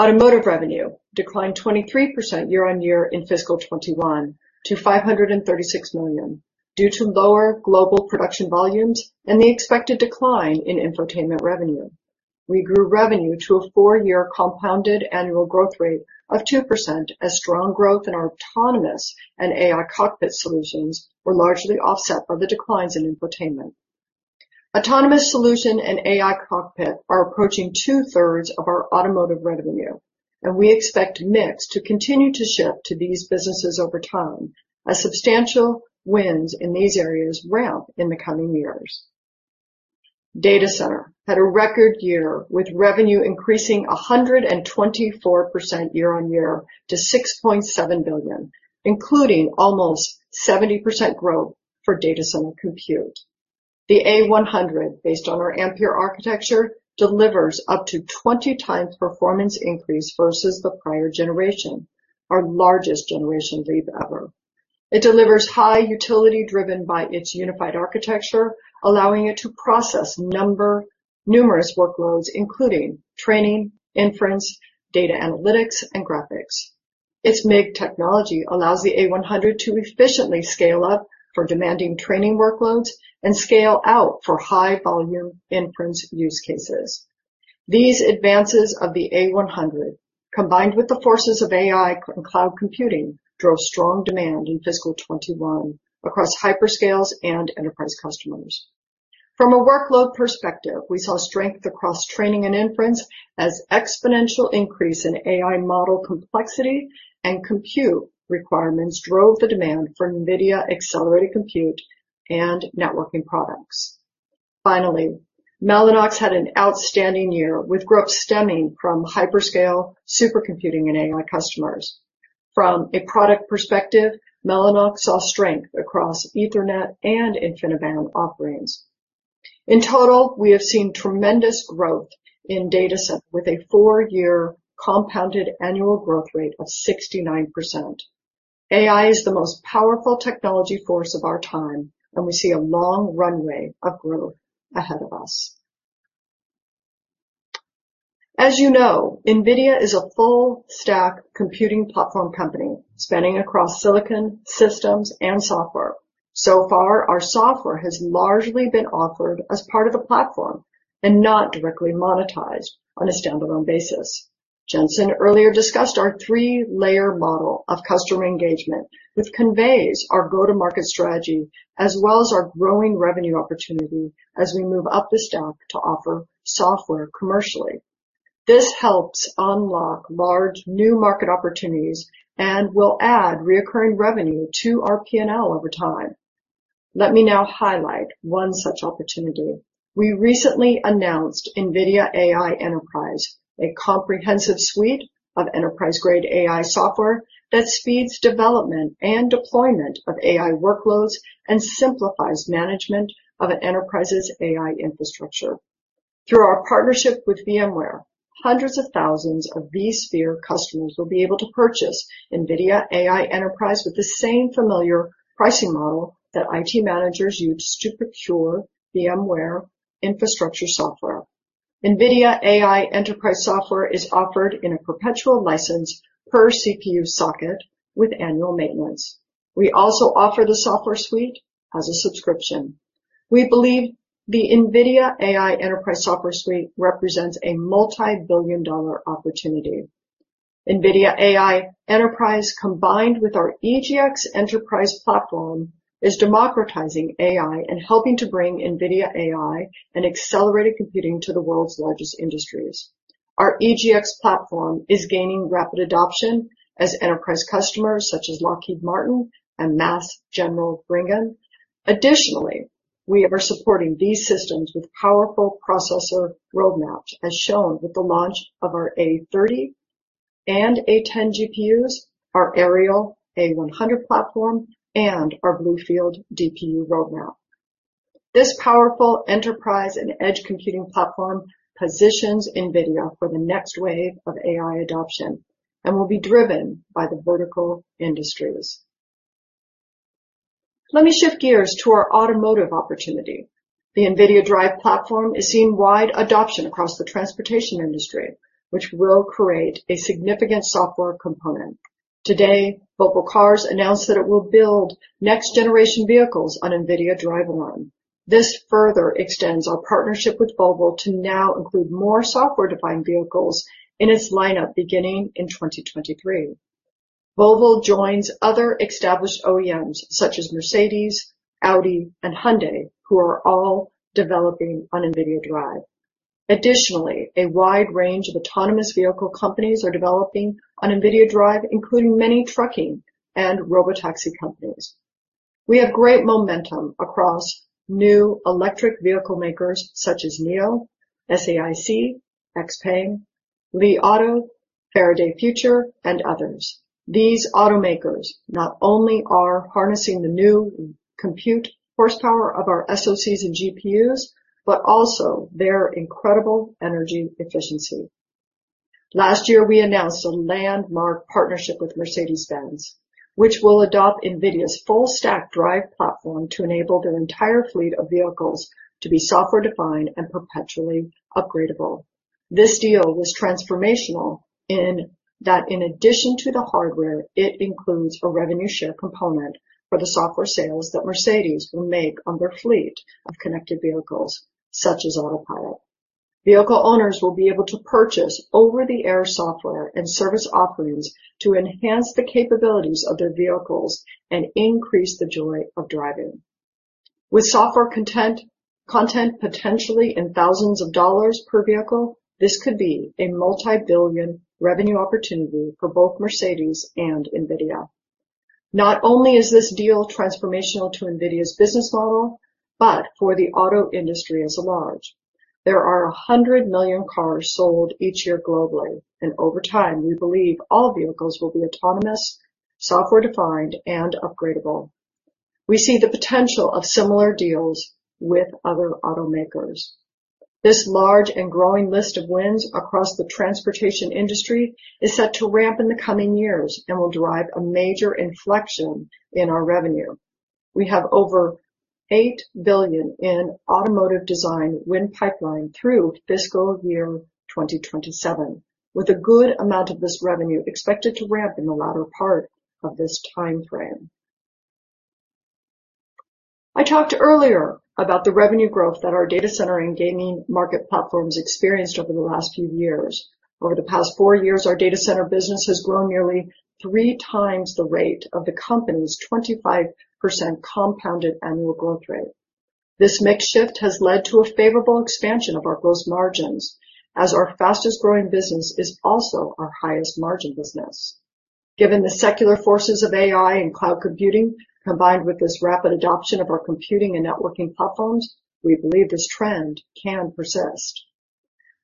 Automotive revenue declined 23% year-on-year in fiscal 2021 to $536 million due to lower global production volumes and the expected decline in infotainment revenue. We grew revenue to a four-year compounded annual growth rate of 2% as strong growth in our autonomous and AI cockpit solutions were largely offset by the declines in infotainment. Autonomous solution and AI cockpit are approaching two-thirds of our automotive revenue, and we expect mix to continue to shift to these businesses over time as substantial wins in these areas ramp in the coming years. Data Center had a record year with revenue increasing 124% year-on-year to $6.7 billion, including almost 70% growth for Data Center compute. The A100, based on our Ampere architecture, delivers up to 20 times performance increase versus the prior generation, our largest generation leap ever. It delivers high utility driven by its unified architecture, allowing it to process numerous workloads, including training, inference, data analytics, and graphics. Its MIG technology allows the A100 to efficiently scale up for demanding training workloads and scale out for high-volume inference use cases. These advances of the A100, combined with the forces of AI and cloud computing, drove strong demand in fiscal 2021 across Hyperscalers and enterprise customers. From a workload perspective, we saw strength across training and inference as exponential increase in AI model complexity and compute requirements drove the demand for NVIDIA accelerated compute and networking products. Finally, Mellanox had an outstanding year with growth stemming from hyperscale, supercomputing, and AI customers. From a product perspective, Mellanox saw strength across Ethernet and InfiniBand offerings. In total, we have seen tremendous growth in data center with a four-year compounded annual growth rate of 69%. AI is the most powerful technology force of our time, and we see a long runway of growth ahead of us. As you know, NVIDIA is a full stack computing platform company spanning across silicon, systems, and software. So far, our software has largely been offered as part of the platform and not directly monetized on a standalone basis. Jensen earlier discussed our three-layer model of customer engagement, which conveys our go-to-market strategy as well as our growing revenue opportunity as we move up the stack to offer software commercially. This helps unlock large new market opportunities and will add recurring revenue to our P&L over time. Let me now highlight one such opportunity. We recently announced NVIDIA AI Enterprise, a comprehensive suite of enterprise-grade AI software that speeds development and deployment of AI workloads and simplifies management of an enterprise's AI infrastructure. Through our partnership with VMware, hundreds of thousands of vSphere customers will be able to purchase NVIDIA AI Enterprise with the same familiar pricing model that IT managers use to procure VMware infrastructure software. NVIDIA AI Enterprise software is offered in a perpetual license per CPU socket with annual maintenance. We also offer the software suite as a subscription. We believe the NVIDIA AI Enterprise software suite represents a multibillion-dollar opportunity. NVIDIA AI Enterprise, combined with our EGX enterprise platform, is democratizing AI and helping to bring NVIDIA AI and accelerated computing to the world's largest industries. Our EGX platform is gaining rapid adoption as enterprise customers such as Lockheed Martin and Mass General Brigham. We are supporting these systems with powerful processor roadmaps, as shown with the launch of our A30 and A10 GPUs, our Aerial A100 platform, and our BlueField DPU roadmap. This powerful enterprise and edge computing platform positions NVIDIA for the next wave of AI adoption and will be driven by the vertical industries. Let me shift gears to our automotive opportunity. The NVIDIA DRIVE platform is seeing wide adoption across the transportation industry, which will create a significant software component. Today, Volvo Cars announced that it will build next-generation vehicles on NVIDIA DRIVE Orin. This further extends our partnership with Volvo to now include more software-defined vehicles in its lineup beginning in 2023. Volvo joins other established OEMs such as Mercedes-Benz, Audi, and Hyundai, who are all developing on NVIDIA DRIVE. Additionally, a wide range of autonomous vehicle companies are developing on NVIDIA DRIVE, including many trucking and robotaxi companies. We have great momentum across new electric vehicle makers such as NIO, SAIC, XPeng, Li Auto, Faraday Future, and others. These automakers not only are harnessing the new compute horsepower of our SOCs and GPUs, but also their incredible energy efficiency. Last year, we announced a landmark partnership with Mercedes-Benz, which will adopt NVIDIA's full stack DRIVE platform to enable their entire fleet of vehicles to be software-defined and perpetually upgradable. This deal was transformational in that in addition to the hardware, it includes a revenue share component for the software sales that Mercedes will make on their fleet of connected vehicles, such as Autopilot. Vehicle owners will be able to purchase over-the-air software and service offerings to enhance the capabilities of their vehicles and increase the joy of driving. With software content potentially in thousands of dollars per vehicle, this could be a multibillion revenue opportunity for both Mercedes and NVIDIA. Not only is this deal transformational to NVIDIA's business model, but for the auto industry at large. There are 100 million cars sold each year globally, and over time, we believe all vehicles will be autonomous, software-defined, and upgradable. We see the potential of similar deals with other automakers. This large and growing list of wins across the transportation industry is set to ramp in the coming years and will drive a major inflection in our revenue. We have over $8 billion in automotive design win pipeline through fiscal year 2027, with a good amount of this revenue expected to ramp in the latter part of this timeframe. I talked earlier about the revenue growth that our data center and gaming market platforms experienced over the last few years. Over the past four years, our data center business has grown nearly three times the rate of the company's 25% compounded annual growth rate. This mix shift has led to a favorable expansion of our gross margins as our fastest-growing business is also our highest margin business. Given the secular forces of AI and cloud computing, combined with this rapid adoption of our computing and networking platforms, we believe this trend can persist.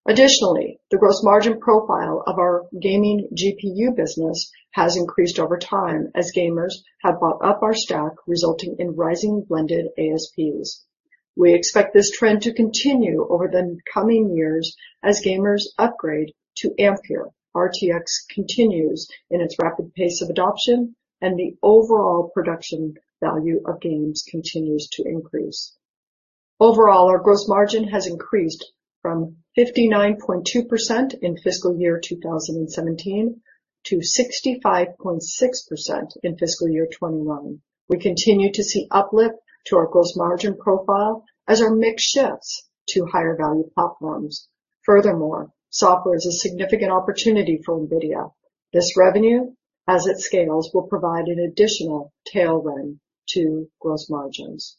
Additionally, the gross margin profile of our gaming GPU business has increased over time as gamers have bought up our stock, resulting in rising blended ASPs. We expect this trend to continue over the coming years as gamers upgrade to Ampere, RTX continues in its rapid pace of adoption, and the overall production value of games continues to increase. Overall, our gross margin has increased from 59.2% in fiscal year 2017 to 65.6% in fiscal year 2021. We continue to see uplift to our gross margin profile as our mix shifts to higher value platforms. Furthermore, software is a significant opportunity for NVIDIA. This revenue, as it scales, will provide an additional tailwind to gross margins.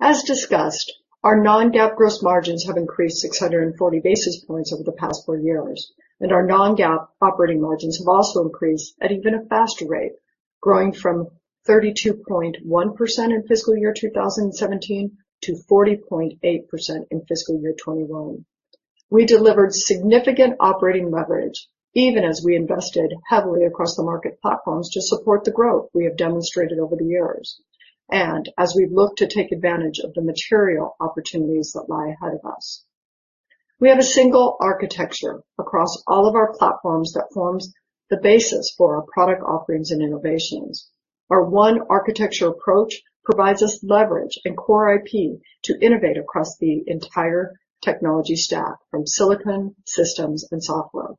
As discussed, our non-GAAP gross margins have increased 640 basis points over the past four years, and our non-GAAP operating margins have also increased at even a faster rate, growing from 32.1% in fiscal year 2017 to 40.8% in fiscal year 2021. We delivered significant operating leverage even as we invested heavily across the market platforms to support the growth we have demonstrated over the years, and as we look to take advantage of the material opportunities that lie ahead of us. We have a single architecture across all of our platforms that forms the basis for our product offerings and innovations. Our one architecture approach provides us leverage and core IP to innovate across the entire technology stack, from silicon systems and software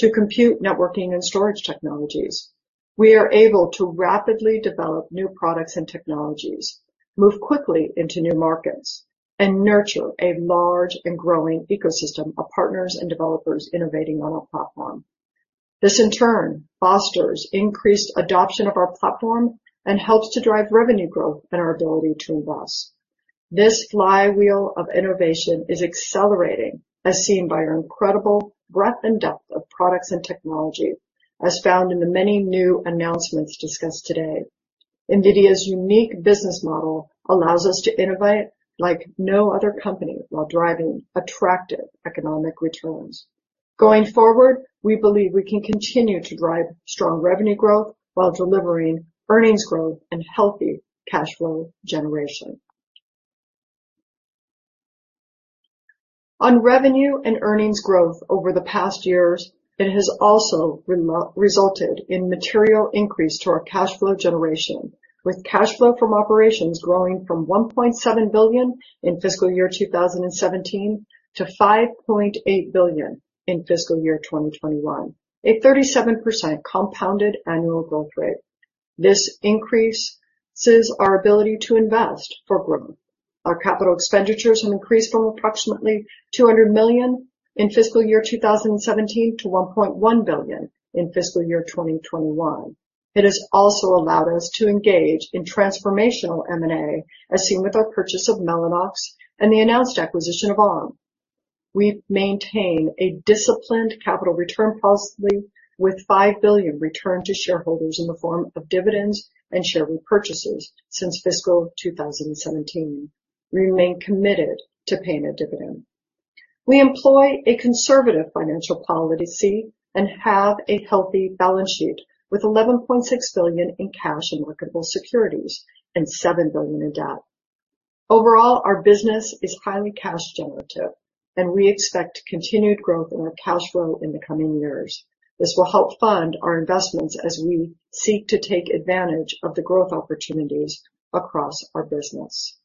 to compute networking and storage technologies. We are able to rapidly develop new products and technologies, move quickly into new markets, and nurture a large and growing ecosystem of partners and developers innovating on our platform. This, in turn, fosters increased adoption of our platform and helps to drive revenue growth and our ability to invest. This flywheel of innovation is accelerating as seen by our incredible breadth and depth of products and technology, as found in the many new announcements discussed today. NVIDIA's unique business model allows us to innovate like no other company while driving attractive economic returns. Going forward, we believe we can continue to drive strong revenue growth while delivering earnings growth and healthy cash flow generation. On revenue and earnings growth over the past years, it has also resulted in material increase to our cash flow generation. With cash flow from operations growing from $1.7 billion in fiscal year 2017 - $5.8 billion in fiscal year 2021, a 37% compounded annual growth rate. This increases our ability to invest for growth. Our capital expenditures have increased from approximately $200 million in fiscal year 2017 - $1.1 billion in fiscal year 2021. It has also allowed us to engage in transformational M&A, as seen with our purchase of Mellanox and the announced acquisition of Arm. We maintain a disciplined capital return policy with $5 billion returned to shareholders in the form of dividends and share repurchases since fiscal 2017. We remain committed to paying a dividend. We employ a conservative financial policy and have a healthy balance sheet with $11.6 billion in cash and marketable securities and $7 billion in debt. Overall, our business is highly cash generative, and we expect continued growth in our cash flow in the coming years. This will help fund our investments as we seek to take advantage of the growth opportunities across our business.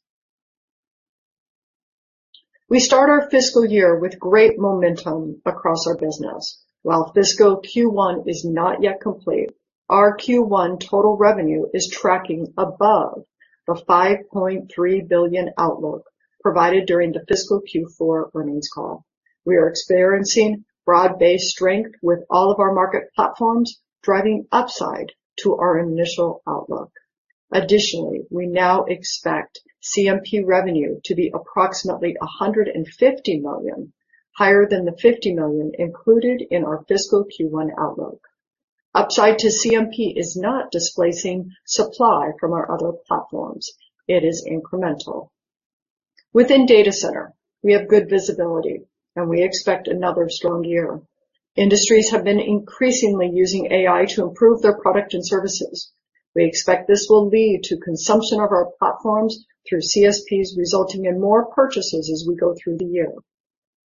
We start our fiscal year with great momentum across our business. While fiscal Q1 is not yet complete, our Q1 total revenue is tracking above the $5.3 billion outlook provided during the fiscal Q4 earnings call. We are experiencing broad-based strength with all of our market platforms driving upside to our initial outlook. Additionally, we now expect CMP revenue to be approximately $150 million higher than the $50 million included in our fiscal Q1 outlook. Upside to CMP is not displacing supply from our other platforms. It is incremental. Within data center, we have good visibility, and we expect another strong year. Industries have been increasingly using AI to improve their product and services. We expect this will lead to consumption of our platforms through CSPs, resulting in more purchases as we go through the year.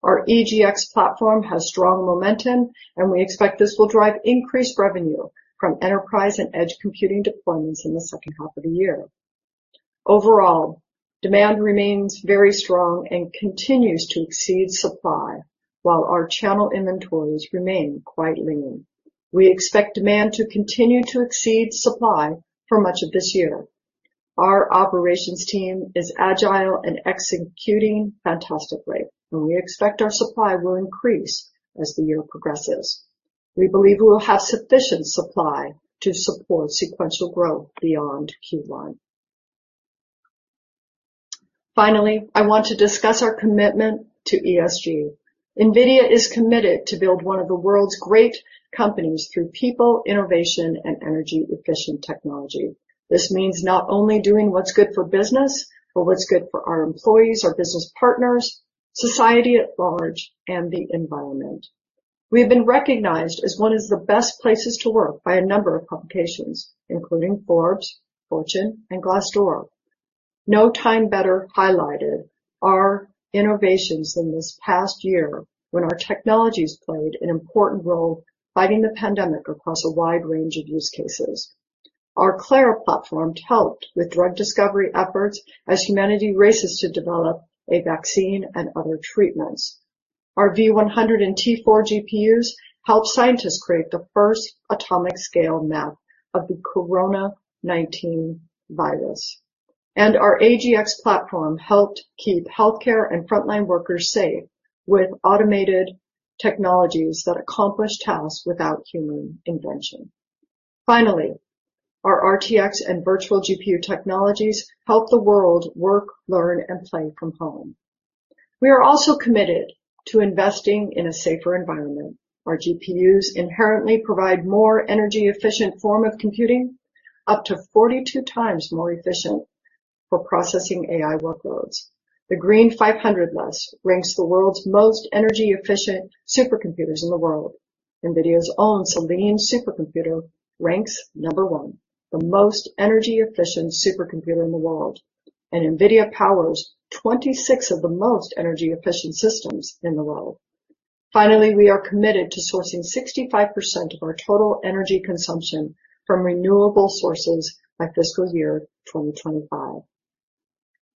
Our EGX platform has strong momentum, and we expect this will drive increased revenue from enterprise and edge computing deployments in the second half of the year. Overall, demand remains very strong and continues to exceed supply while our channel inventories remain quite lean. We expect demand to continue to exceed supply for much of this year. Our operations team is agile and executing fantastically, and we expect our supply will increase as the year progresses. We believe we will have sufficient supply to support sequential growth beyond Q1. Finally, I want to discuss our commitment to ESG. NVIDIA is committed to build one of the world's great companies through people, innovation, and energy-efficient technology. This means not only doing what's good for business, but what's good for our employees, our business partners, society at large, and the environment. We have been recognized as one of the best places to work by a number of publications, including Forbes, Fortune, and Glassdoor. No time better highlighted our innovations than this past year when our technologies played an important role fighting the pandemic across a wide range of use cases. Our Clara platform helped with drug discovery efforts as humanity races to develop a vaccine and other treatments. Our V100 and T4 GPUs helped scientists create the first atomic scale map of the COVID-19 virus. Our AGX platform helped keep healthcare and frontline workers safe with automated technologies that accomplished tasks without human intervention. Finally, our RTX and virtual GPU technologies help the world work, learn, and play from home. We are also committed to investing in a safer environment. Our GPUs inherently provide more energy efficient form of computing, up to 42 times more efficient for processing AI workloads. The Green500 list ranks the world's most energy-efficient supercomputers in the world. NVIDIA's own Selene supercomputer ranks number one, the most energy-efficient supercomputer in the world. NVIDIA powers 26 of the most energy-efficient systems in the world. Finally, we are committed to sourcing 65% of our total energy consumption from renewable sources by fiscal year 2025.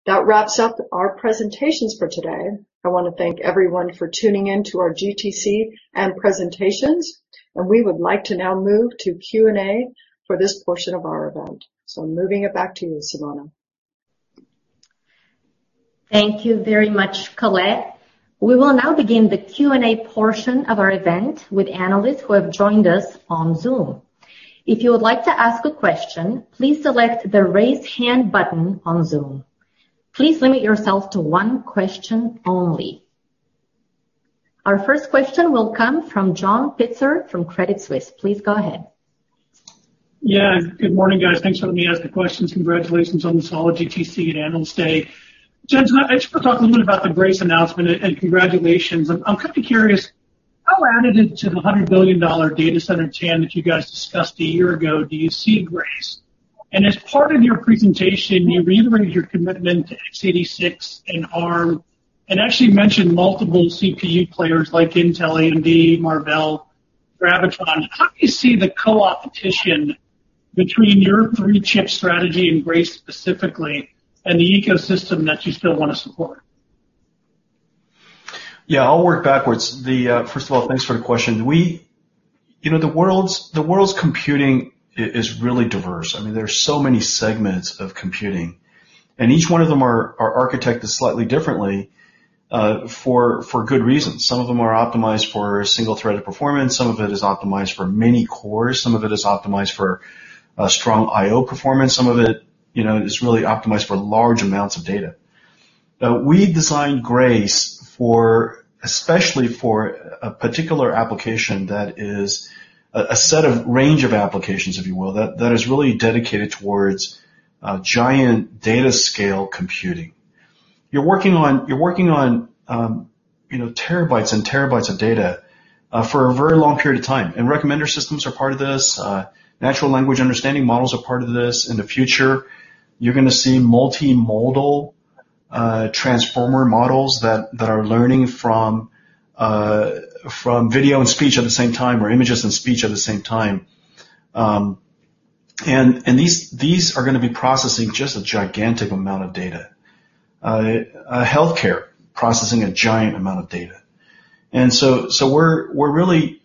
That wraps up our presentations for today. I want to thank everyone for tuning in to our GTC and presentations, and we would like to now move to Q&A for this portion of our event. Moving it back to you, Simona. Thank you very much, Colette. We will now begin the Q&A portion of our event with analysts who have joined us on Zoom. If you would like to ask a question, please select the raise hand button on Zoom. Please limit yourself to one question only. Our first question will come from John Pitzer from Credit Suisse. Please go ahead. Good morning, guys. Thanks for letting me ask the questions. Congratulations on this whole GTC at Analyst Day. Jensen, I just want to talk a little bit about the Grace announcement, and congratulations. I'm kind of curious, how additive to the $100 billion data center TAM that you guys discussed a year ago, do you see Grace? As part of your presentation, you reiterated your commitment to x86 and Arm, and actually mentioned multiple CPU players like Intel, AMD, Marvell, Graviton. How do you see the co-opetition between your three-chip strategy, and Grace specifically, and the ecosystem that you still want to support? Yeah, I'll work backwards. First of all, thanks for the question. The world's computing is really diverse. There's so many segments of computing, each one of them are architected slightly differently, for good reason. Some of them are optimized for single-threaded performance, some of it is optimized for many cores, some of it is optimized for strong IO performance. Some of it is really optimized for large amounts of data. We designed Grace especially for a particular application that is a set of range of applications, if you will, that is really dedicated towards giant data scale computing. You're working on terabytes and terabytes of data for a very long period of time. Recommender systems are part of this, natural language understanding models are part of this. In the future, you're going to see multimodal transformer models that are learning from video and speech at the same time, or images and speech at the same time. These are going to be processing just a gigantic amount of data. Healthcare, processing a giant amount of data. We're really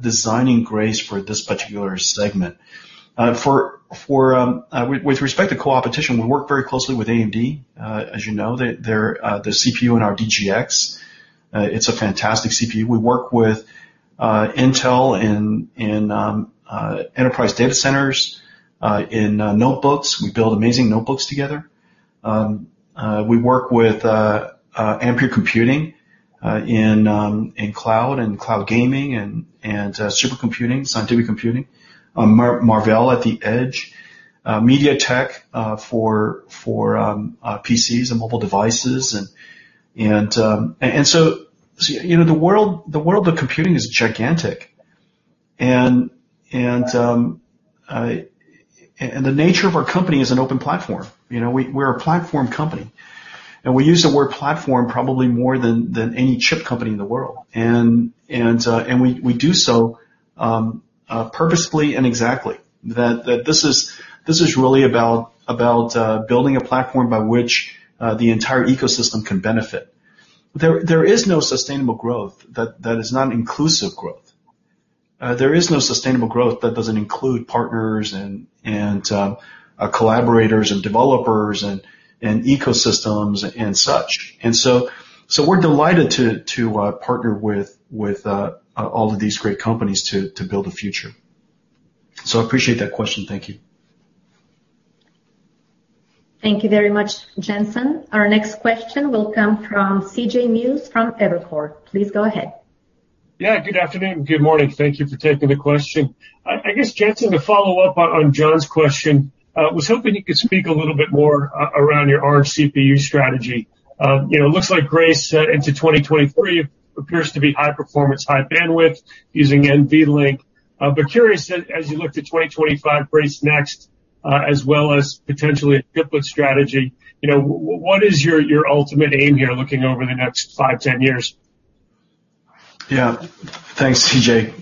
designing Grace for this particular segment. With respect to co-opetition, we work very closely with AMD. As you know, their CPU in our DGX, it's a fantastic CPU. We work with Intel in enterprise data centers, in notebooks. We build amazing notebooks together. We work with Ampere Computing, in cloud and cloud gaming, and super computing, scientific computing. Marvell at the edge. MediaTek for PCs and mobile devices. The world of computing is gigantic. The nature of our company is an open platform. We're a platform company. We use the word platform probably more than any chip company in the world. We do so purposefully and exactly. That this is really about building a platform by which the entire ecosystem can benefit. There is no sustainable growth that is not inclusive growth. There is no sustainable growth that doesn't include partners and collaborators and developers and ecosystems and such. We're delighted to partner with all of these great companies to build a future. I appreciate that question. Thank you. Thank you very much, Jensen. Our next question will come from C.J. Muse from Evercore. Please go ahead. Yeah, good afternoon. Good morning. Thank you for taking the question. I guess, Jensen, to follow up on John's question, was hoping you could speak a little bit more around your Arm CPU strategy. It looks like Grace into 2023 appears to be high performance, high bandwidth using NVLink. Curious, as you look to 2025 Grace Next, as well as potentially a chiplet strategy, what is your ultimate aim here looking over the next five, 10 years? Yeah. Thanks, CJ.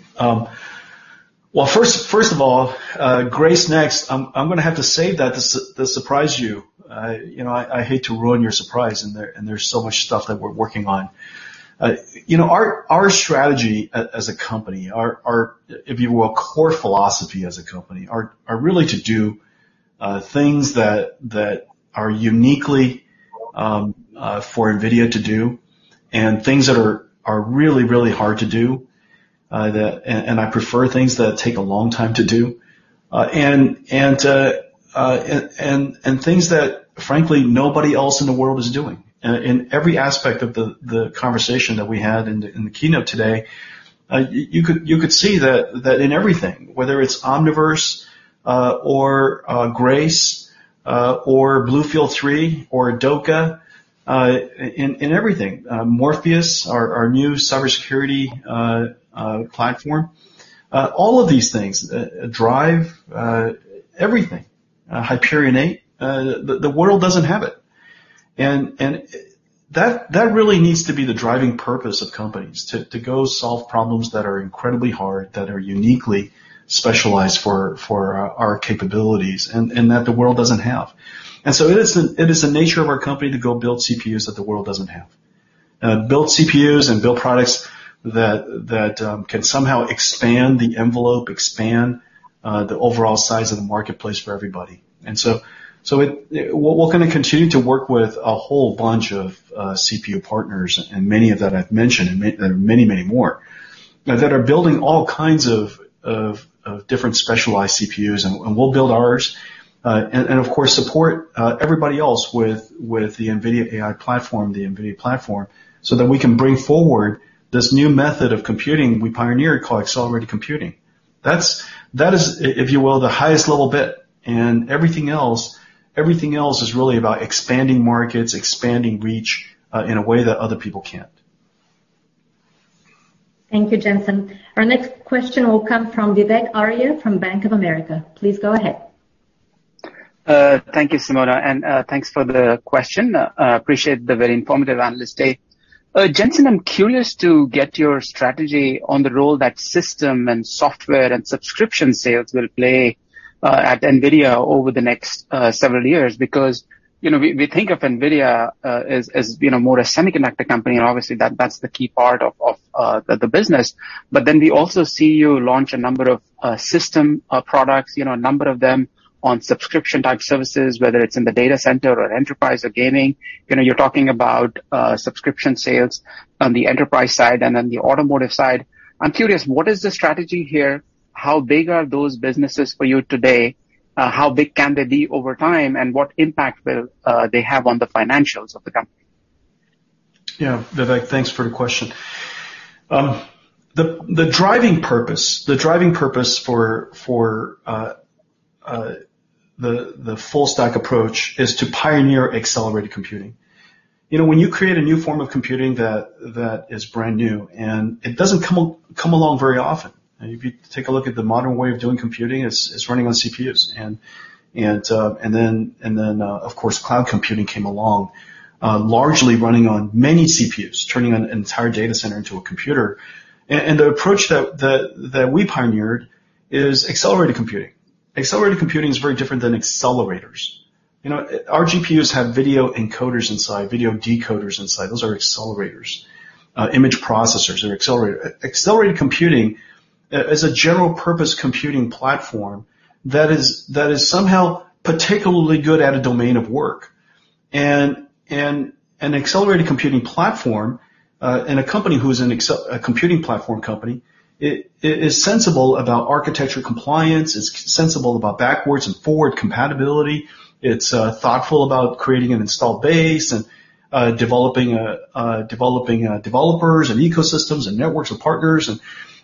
Well, first of all, Grace Next, I'm going to have to save that to surprise you. I hate to ruin your surprise, and there's so much stuff that we're working on. Our strategy as a company, our, if you will, core philosophy as a company, are really to do things that are uniquely for NVIDIA to do and things that are really, really hard to do. I prefer things that take a long time to do. Things that frankly, nobody else in the world is doing. In every aspect of the conversation that we had in the keynote today. You could see that in everything, whether it's Omniverse or Grace, or BlueField-3 or DOCA, in everything. Morpheus, our new cybersecurity platform. All of these things drive everything. Hyperion 8, the world doesn't have it. That really needs to be the driving purpose of companies, to go solve problems that are incredibly hard, that are uniquely specialized for our capabilities, and that the world doesn't have. So it is the nature of our company to go build CPUs that the world doesn't have. Build CPUs and build products that can somehow expand the envelope, expand the overall size of the marketplace for everybody. So we're going to continue to work with a whole bunch of CPU partners, and many of them I've mentioned, and there are many, many more that are building all kinds of different specialized CPUs. We'll build ours. Of course, support everybody else with the NVIDIA AI platform, the NVIDIA platform, so that we can bring forward this new method of computing we pioneered called accelerated computing. That is, if you will, the highest level bit and everything else is really about expanding markets, expanding reach, in a way that other people can't. Thank you, Jensen. Our next question will come from Vivek Arya from Bank of America. Please go ahead. Thank you, Simona. Thanks for the question. Appreciate the very informative analyst day. Jensen, I'm curious to get your strategy on the role that system and software and subscription sales will play at NVIDIA over the next several years. We think of NVIDIA as more a semiconductor company, and obviously that's the key part of the business. We also see you launch a number of system products, a number of them on subscription-type services, whether it's in the data center or enterprise or gaming. You're talking about subscription sales on the enterprise side and on the automotive side. I'm curious, what is the strategy here? How big are those businesses for you today? How big can they be over time, and what impact will they have on the financials of the company? Vivek, thanks for the question. The driving purpose for the full stack approach is to pioneer accelerated computing. When you create a new form of computing that is brand new, and it doesn't come along very often. If you take a look at the modern way of doing computing, it's running on CPUs, and then, of course, cloud computing came along, largely running on many CPUs, turning an entire data center into a computer. The approach that we pioneered is accelerated computing. Accelerated computing is very different than accelerators. Our GPUs have video encoders inside, video decoders inside. Those are accelerators. Image processors are accelerators. Accelerated computing is a general-purpose computing platform that is somehow particularly good at a domain of work. An accelerated computing platform, and a company who is a computing platform company, is sensible about architecture compliance, is sensible about backwards and forward compatibility. It's thoughtful about creating an installed base and developing developers and ecosystems and networks with partners.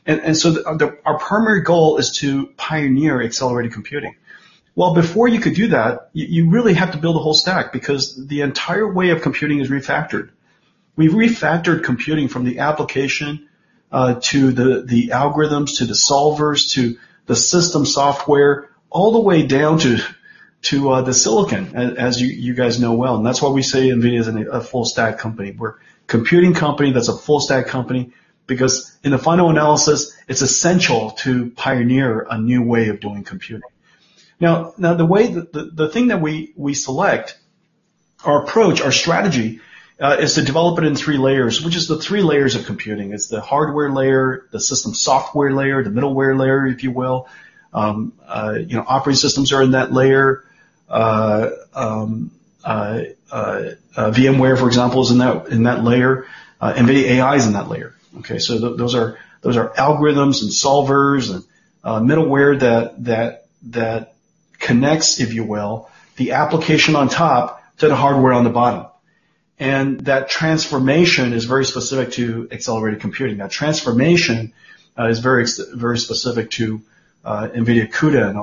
Our primary goal is to pioneer accelerated computing. Well, before you could do that, you really have to build a whole stack because the entire way of computing is refactored. We refactored computing from the application, to the algorithms, to the solvers, to the system software, all the way down to the silicon, as you guys know well, and that's why we say NVIDIA is a full stack company. We're a computing company that's a full stack company because, in the final analysis, it's essential to pioneer a new way of doing computing. Now, the thing that we select, our approach, our strategy is to develop it in three layers, which is the three layers of computing. It's the hardware layer, the system software layer, the middleware layer, if you will. Operating systems are in that layer. VMware, for example, is in that layer. NVIDIA AI is in that layer. Okay? Those are algorithms and solvers and middleware that connects, if you will, the application on top to the hardware on the bottom. That transformation is very specific to accelerated computing. That transformation is very specific to NVIDIA CUDA and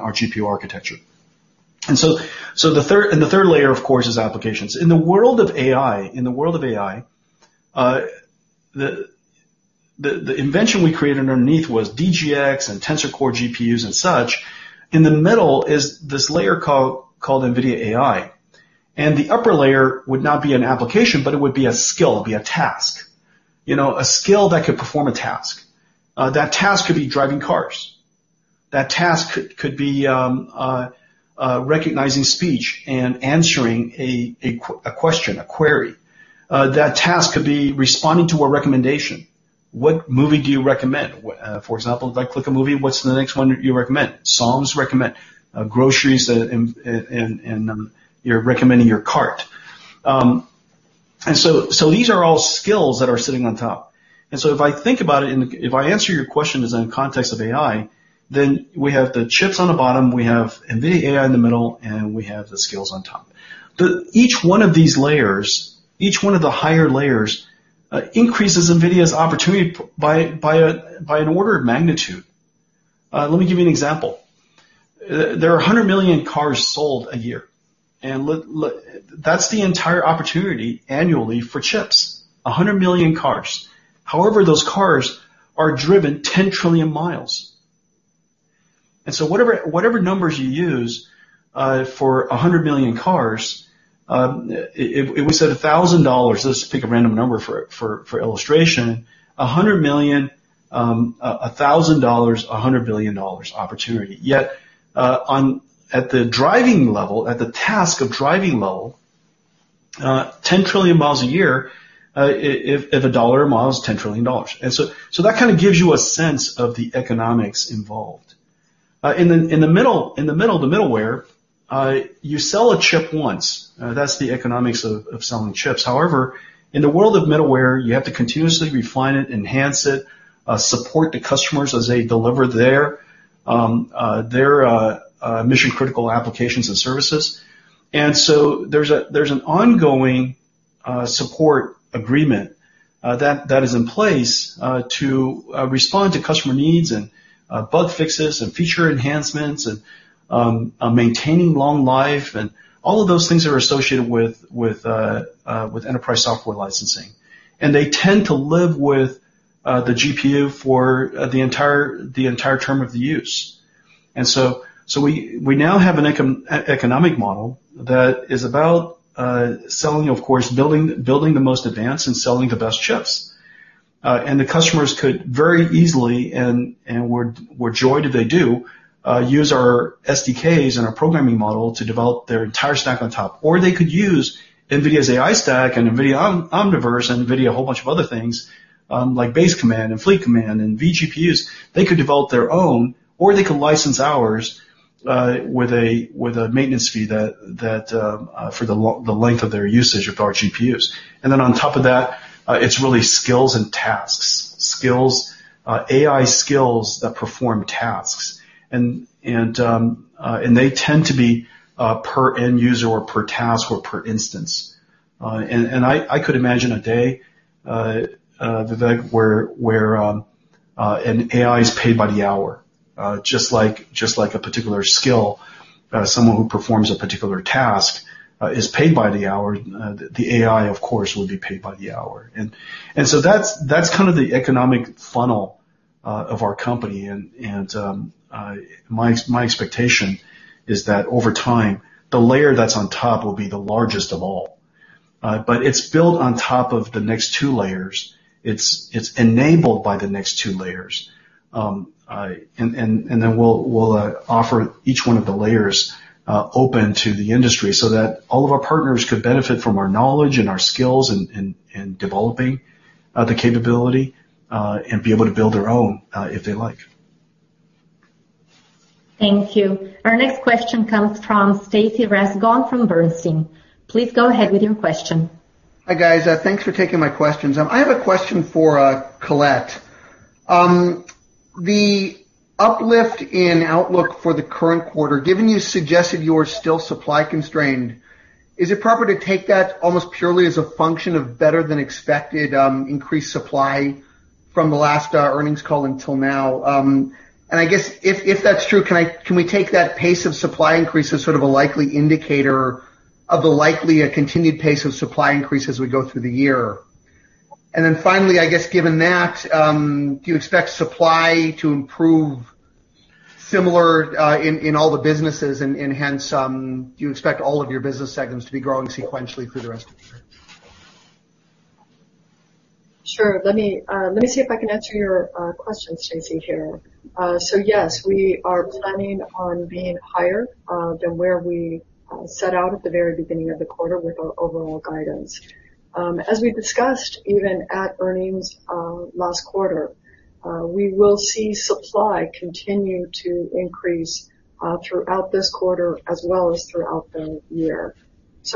our GPU architecture. The third layer, of course, is applications. In the world of AI, the invention we created underneath was DGX and Tensor Core GPUs and such. In the middle is this layer called NVIDIA AI, and the upper layer would not be an application, but it would be a skill, it'd be a task. A skill that could perform a task. That task could be driving cars. That task could be recognizing speech and answering a question, a query. That task could be responding to a recommendation. What movie do you recommend? For example, if I click a movie, what's the next one you recommend? Songs recommend. Groceries, you're recommending your cart. These are all skills that are sitting on top. If I think about it, if I answer your question as in context of AI, then we have the chips on the bottom, we have NVIDIA AI in the middle, and we have the skills on top. Each one of these layers, each one of the higher layers, increases NVIDIA's opportunity by an order of magnitude. Let me give you an example. There are 100 million cars sold a year, and that's the entire opportunity annually for chips, 100 million cars. However, those cars are driven 10 trillion miles. Whatever numbers you use for 100 million cars, if we said $1,000, let's pick a random number for illustration, 100 million, $1,000, $100 billion opportunity. Yet at the driving level, at the task of driving level, 10 trillion miles a year, if $1 a mile is $10 trillion. That gives you a sense of the economics involved. In the middle, the middleware, you sell a chip once. That's the economics of selling chips. However, in the world of middleware, you have to continuously refine it, enhance it, support the customers as they deliver their mission-critical applications and services. There's an ongoing support agreement that is in place to respond to customer needs and bug fixes and feature enhancements and maintaining long life, and all of those things that are associated with enterprise software licensing. They tend to live with the GPU for the entire term of the use. We now have an economic model that is about selling, of course, building the most advanced and selling the best chips. The customers could very easily, and we're joyed that they do, use our SDKs and our programming model to develop their entire stack on top. They could use NVIDIA's AI stack and NVIDIA Omniverse and NVIDIA whole bunch of other things, like Base Command and Fleet Command and vGPUs. They could develop their own, or they could license ours with a maintenance fee for the length of their usage of our GPUs. Then on top of that, it's really skills and tasks. AI skills that perform tasks. They tend to be per end user or per task or per instance. I could imagine a day, Vivek, where an AI is paid by the hour. Just like a particular skill, someone who performs a particular task is paid by the hour, the AI, of course, will be paid by the hour. That's the economic funnel of our company, and my expectation is that over time, the layer that's on top will be the largest of all. It's built on top of the next two layers. It's enabled by the next two layers. We'll offer each one of the layers open to the industry so that all of our partners could benefit from our knowledge and our skills in developing the capability, and be able to build their own, if they like. Thank you. Our next question comes from Stacy Rasgon from Bernstein. Please go ahead with your question. Hi, guys. Thanks for taking my questions. I have a question for Colette. The uplift in outlook for the current quarter, given you suggested you're still supply-constrained, is it proper to take that almost purely as a function of better than expected increased supply from the last earnings call until now? I guess if that's true, can we take that pace of supply increase as sort of a likely indicator of the likely a continued pace of supply increase as we go through the year? Then finally, I guess given that, do you expect supply to improve similar in all the businesses and hence do you expect all of your business segments to be growing sequentially through the rest of the year? Sure. Let me see if I can answer your questions, Stacy, here. Yes, we are planning on being higher than where we set out at the very beginning of the quarter with our overall guidance. As we discussed, even at earnings last quarter, we will see supply continue to increase throughout this quarter as well as throughout the year.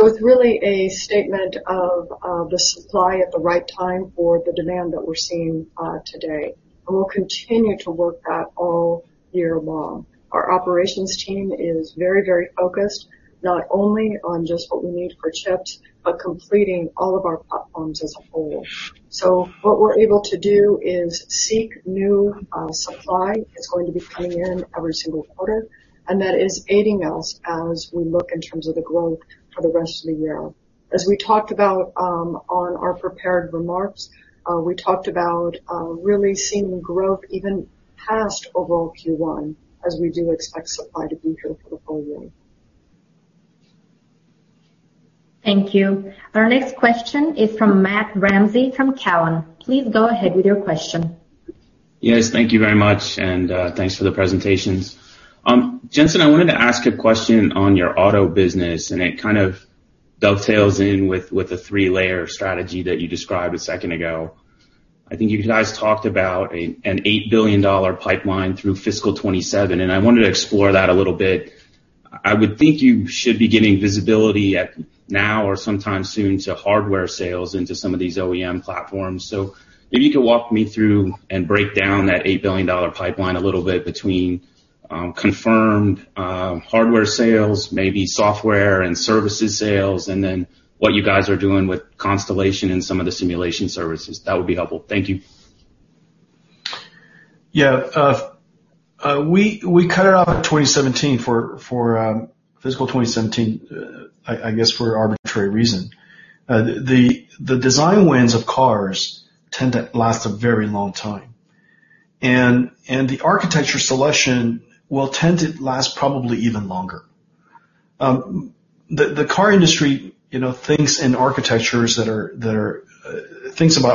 It's really a statement of the supply at the right time for the demand that we're seeing today. We'll continue to work that all year long. Our operations team is very focused, not only on just what we need for chips, but completing all of our platforms as a whole. What we're able to do is seek new supply that's going to be coming in every single quarter, and that is aiding us as we look in terms of the growth for the rest of the year. As we talked about on our prepared remarks, we talked about really seeing growth even past overall Q1, as we do expect supply to be here for the full year. Thank you. Our next question is from Matthew Ramsay from Cowen. Please go ahead with your question. Yes, thank you very much, and thanks for the presentations. Jensen, I wanted to ask a question on your auto business, and it kind of dovetails in with the three-layer strategy that you described a second ago. I think you guys talked about an $8 billion pipeline through fiscal 2027, and I wanted to explore that a little bit. I would think you should be getting visibility at now or sometime soon to hardware sales into some of these OEM platforms. Maybe you could walk me through and break down that $8 billion pipeline a little bit between confirmed hardware sales, maybe software and services sales, and then what you guys are doing with Constellation and some of the simulation services. That would be helpful. Thank you. Yeah. We cut it off at 2017 for fiscal 2017, I guess for an arbitrary reason. The design wins of cars tend to last a very long time, and the architecture selection will tend to last probably even longer. The car industry thinks about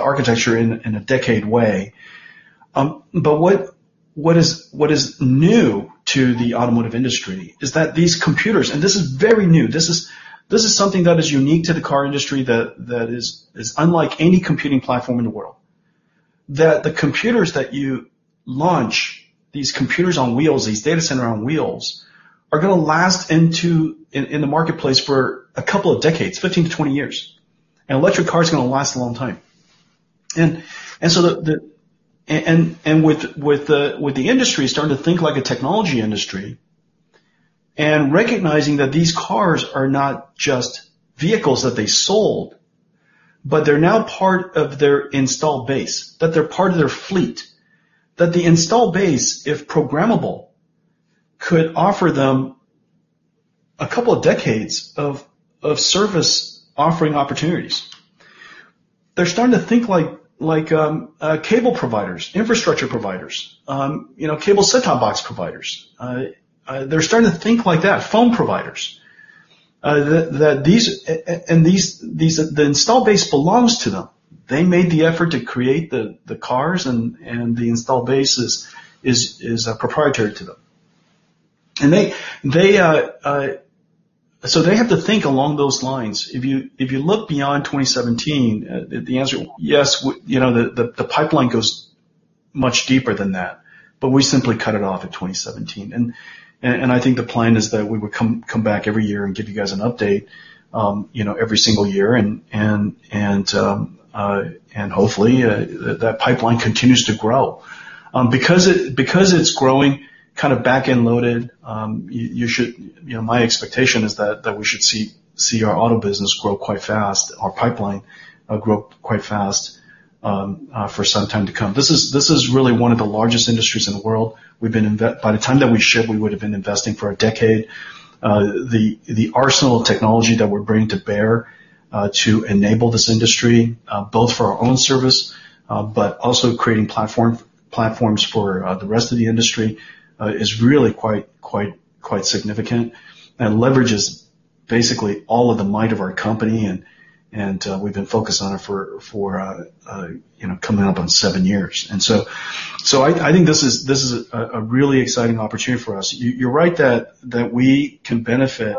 architecture in a decade way. What is new to the automotive industry is that these computers, and this is very new, this is something that is unique to the car industry that is unlike any computing platform in the world. The computers that you launch, these computers on wheels, these data center on wheels, are going to last in the marketplace for a couple of decades, 15-20 years. An electric car is going to last a long time. With the industry starting to think like a technology industry, and recognizing that these cars are not just vehicles that they sold, but they're now part of their installed base, that they're now part of their fleet. That the installed base, if programmable, could offer them a couple of decades of service offering opportunities. They're starting to think like cable providers, infrastructure providers, cable set-top box providers. They're starting to think like that. Phone providers. The installed base belongs to them. They made the effort to create the cars, and the installed base is proprietary to them. They have to think along those lines. If you look beyond 2017, the answer, yes, the pipeline goes much deeper than that, but we simply cut it off at 2017. I think the plan is that we would come back every year and give you guys an update every single year, and hopefully, that pipeline continues to grow. Because it's growing kind of back-end loaded, my expectation is that we should see our auto business grow quite fast, our pipeline grow quite fast for some time to come. This is really one of the largest industries in the world. By the time that we ship, we would've been investing for a decade. The arsenal of technology that we're bringing to bear to enable this industry, both for our own service, but also creating platforms for the rest of the industry, is really quite significant and leverages basically all of the might of our company, and we've been focused on it for coming up on seven years. So I think this is a really exciting opportunity for us. You're right that we can benefit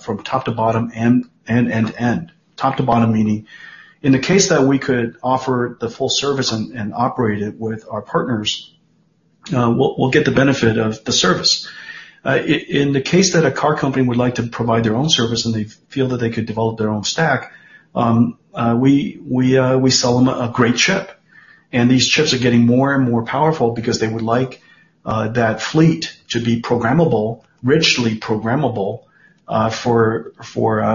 from top to bottom, end to end. Top to bottom meaning, in the case that we could offer the full service and operate it with our partners, we'll get the benefit of the service. In the case that a car company would like to provide their own service and they feel that they could develop their own stack, we sell them a great chip, and these chips are getting more and more powerful because they would like that fleet to be programmable, richly programmable, for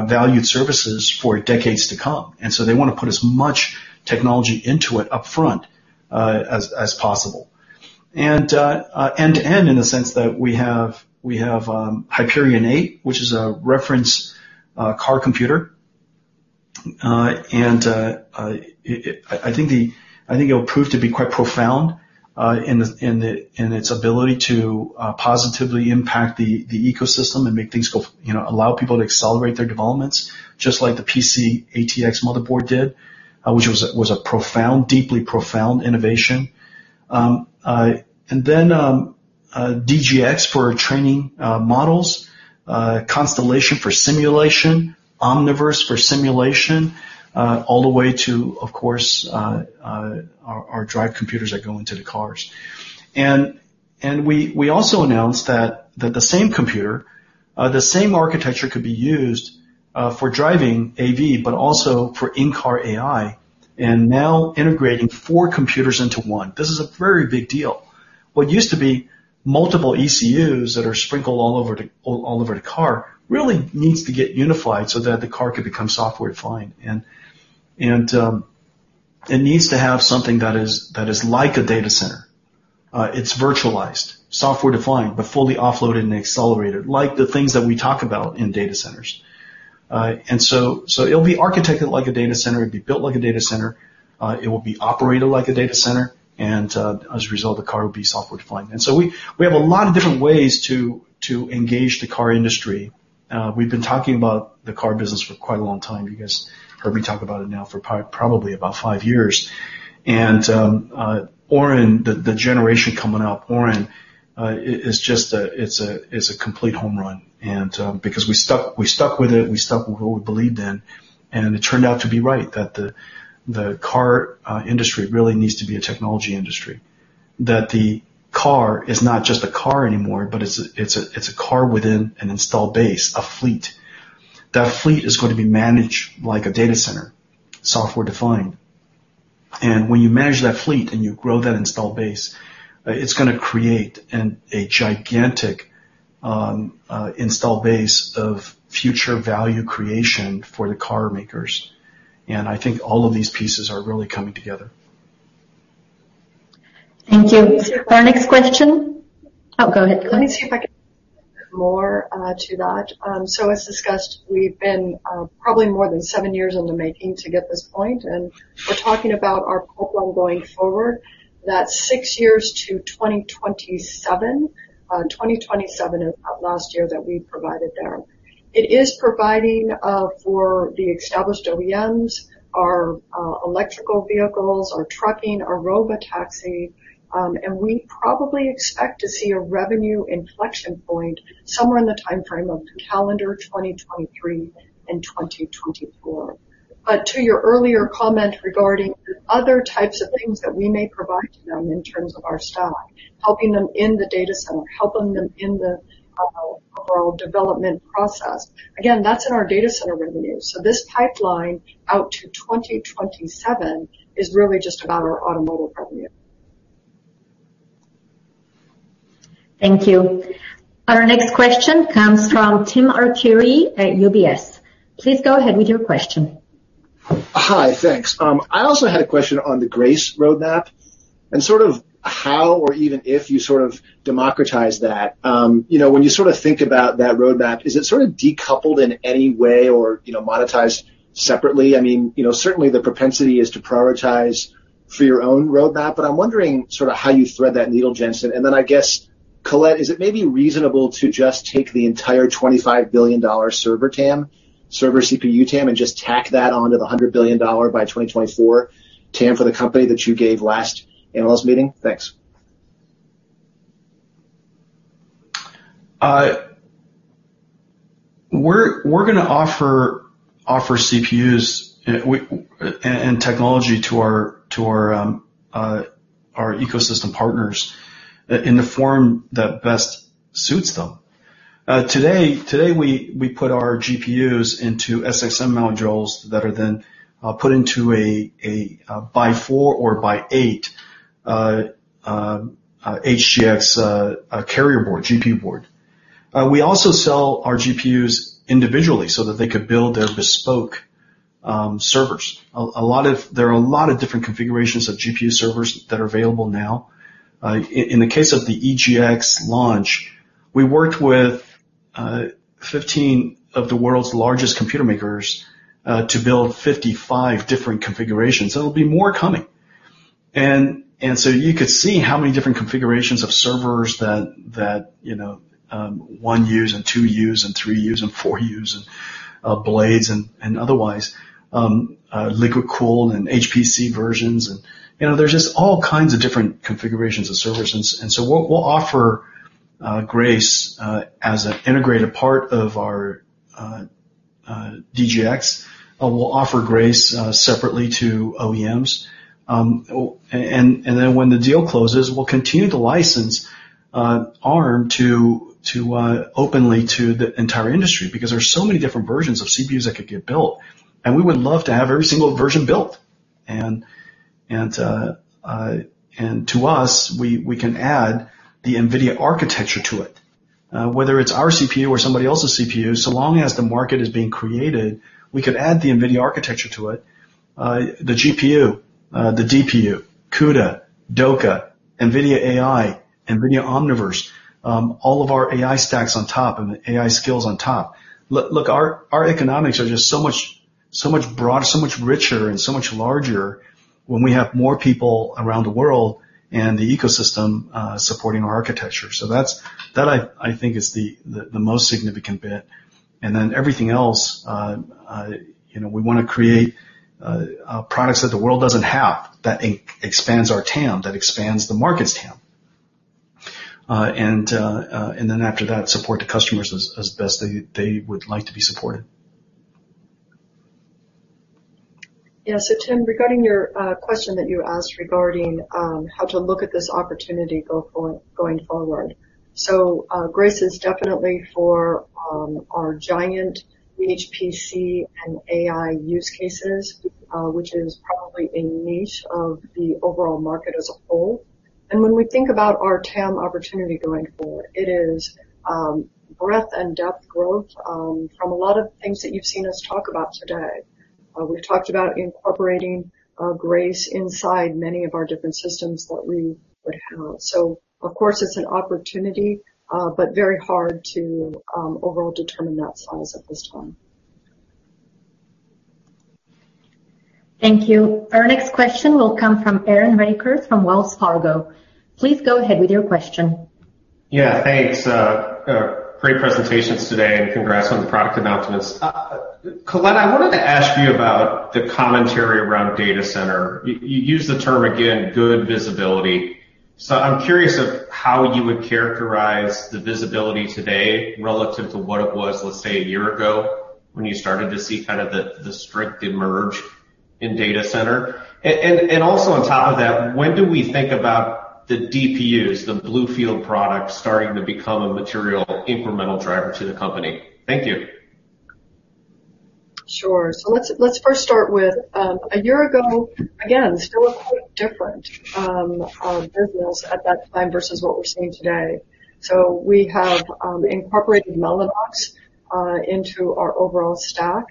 valued services for decades to come. They want to put as much technology into it up front as possible. End-to-end in the sense that we have Hyperion 8, which is a reference car computer. I think it'll prove to be quite profound in its ability to positively impact the ecosystem and allow people to accelerate their developments, just like the PC ATX motherboard did, which was a deeply profound innovation. Then DGX for training models, Constellation for simulation, Omniverse for simulation, all the way to, of course, our DRIVE computers that go into the cars. We also announced that the same computer, the same architecture could be used for driving AV, but also for in-car AI, and now integrating four computers into one. This is a very big deal. What used to be multiple ECUs that are sprinkled all over the car really needs to get unified so that the car could become software defined, and it needs to have something that is like a data center. It's virtualized, software defined, but fully offloaded and accelerated, like the things that we talk about in data centers. It'll be architected like a data center, it'll be built like a data center, it will be operated like a data center, and as a result, the car will be software defined. We have a lot of different ways to engage the car industry. We've been talking about the car business for quite a long time, you guys heard me talk about it now for probably about five years. Orin, the generation coming up, it's a complete home run, because we stuck with it, we stuck with what we believed in, and it turned out to be right, that the car industry really needs to be a technology industry. That the car is not just a car anymore, but it's a car within an installed base, a fleet. That fleet is going to be managed like a data center, software defined. When you manage that fleet and you grow that installed base, it's going to create a gigantic installed base of future value creation for the car makers. I think all of these pieces are really coming together. Thank you. Our next question. Oh, go ahead. As discussed, we've been probably more than seven years in the making to get this point, and we're talking about our pipeline going forward. That's six years to 2027. 2027 is that last year that we provided there. It is providing for the established OEMs, our electrical vehicles, our trucking, our Robotaxi, and we probably expect to see a revenue inflection point somewhere in the timeframe of calendar 2023 and 2024. To your earlier comment regarding other types of things that we may provide to them in terms of our stock, helping them in the data center, helping them in the overall development process, again, that's in our data center revenue. This pipeline out to 2027 is really just about our automotive revenue. Thank you. Our next question comes from Timothy Arcuri at UBS. Please go ahead with your question. Hi, thanks. I also had a question on the Grace roadmap and sort of how or even if you sort of democratize that. When you think about that roadmap, is it sort of decoupled in any way or monetized separately? Certainly the propensity is to prioritize for your own roadmap, but I'm wondering how you thread that needle, Jensen. I guess, Colette, is it maybe reasonable to just take the entire $25 billion server TAM, server CPU TAM, and just tack that onto the $100 billion by 2024 TAM for the company that you gave last analyst meeting? Thanks. We're going to offer CPUs and technology to our ecosystem partners in the form that best suits them. Today, we put our GPUs into SXM modules that are then put into a by four or by eight HGX carrier board, GPU board. We also sell our GPUs individually so that they could build their bespoke servers. There are a lot of different configurations of GPU servers that are available now. In the case of the EGX launch, we worked with 15 of the world's largest computer makers to build 55 different configurations. There'll be more coming. You could see how many different configurations of servers that 1U and 2U and 3U and 4U, and blades, and otherwise. Liquid cooled and HPC versions, there's just all kinds of different configurations of servers. We'll offer Grace as an integrated part of our DGX. We'll offer Grace separately to OEMs. When the deal closes, we'll continue to license Arm openly to the entire industry, because there are so many different versions of CPUs that could get built. We would love to have every single version built. To us, we can add the NVIDIA architecture to it. Whether it's our CPU or somebody else's CPU, so long as the market is being created, we could add the NVIDIA architecture to it, the GPU, the DPU, CUDA, DOCA, NVIDIA AI, NVIDIA Omniverse, all of our AI stacks on top and the AI skills on top. Look, our economics are just so much broader, so much richer, and so much larger when we have more people around the world and the ecosystem supporting our architecture. That, I think, is the most significant bit. Everything else, we want to create products that the world doesn't have that expands our TAM, that expands the market's TAM. After that, support the customers as best they would like to be supported. Yeah. Timothy Arcuri, regarding your question that you asked regarding how to look at this opportunity going forward. Grace is definitely for our giant HPC and AI use cases, which is probably a niche of the overall market as a whole. When we think about our TAM opportunity going forward, it is breadth and depth growth from a lot of things that you've seen us talk about today. We've talked about incorporating Grace inside many of our different systems that we would have. Of course, it's an opportunity, but very hard to overall determine that size at this time. Thank you. Our next question will come from Aaron Rakers from Wells Fargo. Please go ahead with your question. Yeah. Thanks. Great presentations today. Congrats on the product announcements. Colette, I wanted to ask you about the commentary around data center. You used the term again, good visibility. I'm curious of how you would characterize the visibility today relative to what it was, let's say, a year ago when you started to see the strength emerge in data center. Also on top of that, when do we think about the DPUs, the BlueField product, starting to become a material incremental driver to the company? Thank you. Sure. Let's first start with, a year ago, again, still a quite different business at that time versus what we're seeing today. We have incorporated Mellanox into our overall stack.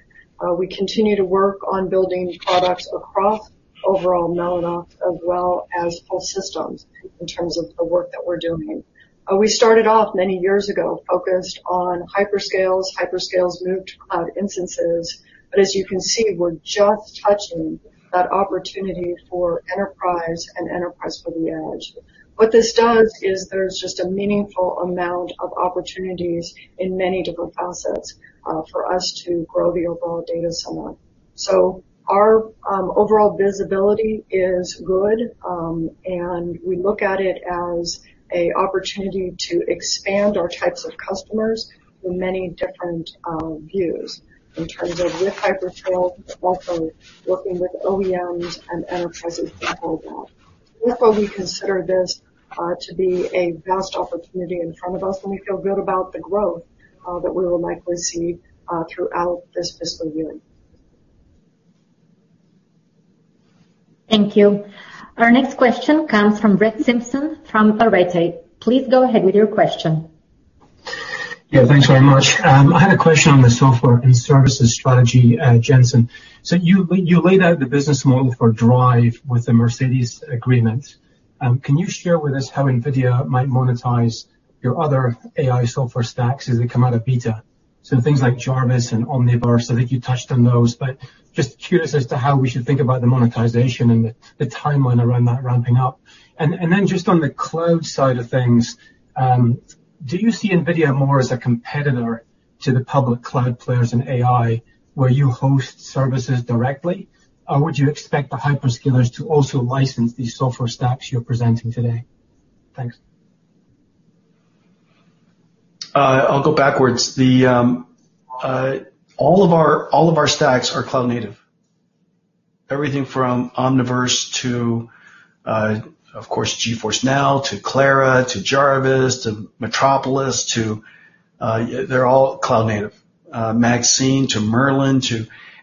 We continue to work on building products across overall Mellanox as well as whole systems in terms of the work that we're doing. We started off many years ago focused on hyperscales. Hyperscales moved to cloud instances. As you can see, we're just touching that opportunity for enterprise and enterprise for the edge. What this does is there's just a meaningful amount of opportunities in many different facets for us to grow the overall data center. Our overall visibility is good, and we look at it as an opportunity to expand our types of customers with many different views in terms of with hyperscale, but also working with OEMs and enterprises to build that. We consider this to be a vast opportunity in front of us, and we feel good about the growth that we will likely see throughout this fiscal year. Thank you. Our next question comes from Rick Schafer from Oppenheimer. Please go ahead with your question. Thanks very much. I had a question on the software and services strategy, Jensen. You laid out the business model for Drive with the Mercedes agreement. Can you share with us how NVIDIA might monetize your other AI software stacks as they come out of beta? So things like Jarvis and Omniverse, I think you touched on those, but just curious as to how we should think about the monetization and the timeline around that ramping up. Then just on the cloud side of things, do you see NVIDIA more as a competitor to the public cloud players in AI where you host services directly, or would you expect the hyperscalers to also license these software stacks you're presenting today? Thanks. I'll go backwards. All of our stacks are cloud native. Everything from Omniverse to, of course, GeForce NOW, to Clara, to Jarvis, to Metropolis, Maxine to Merlin, they're all cloud native.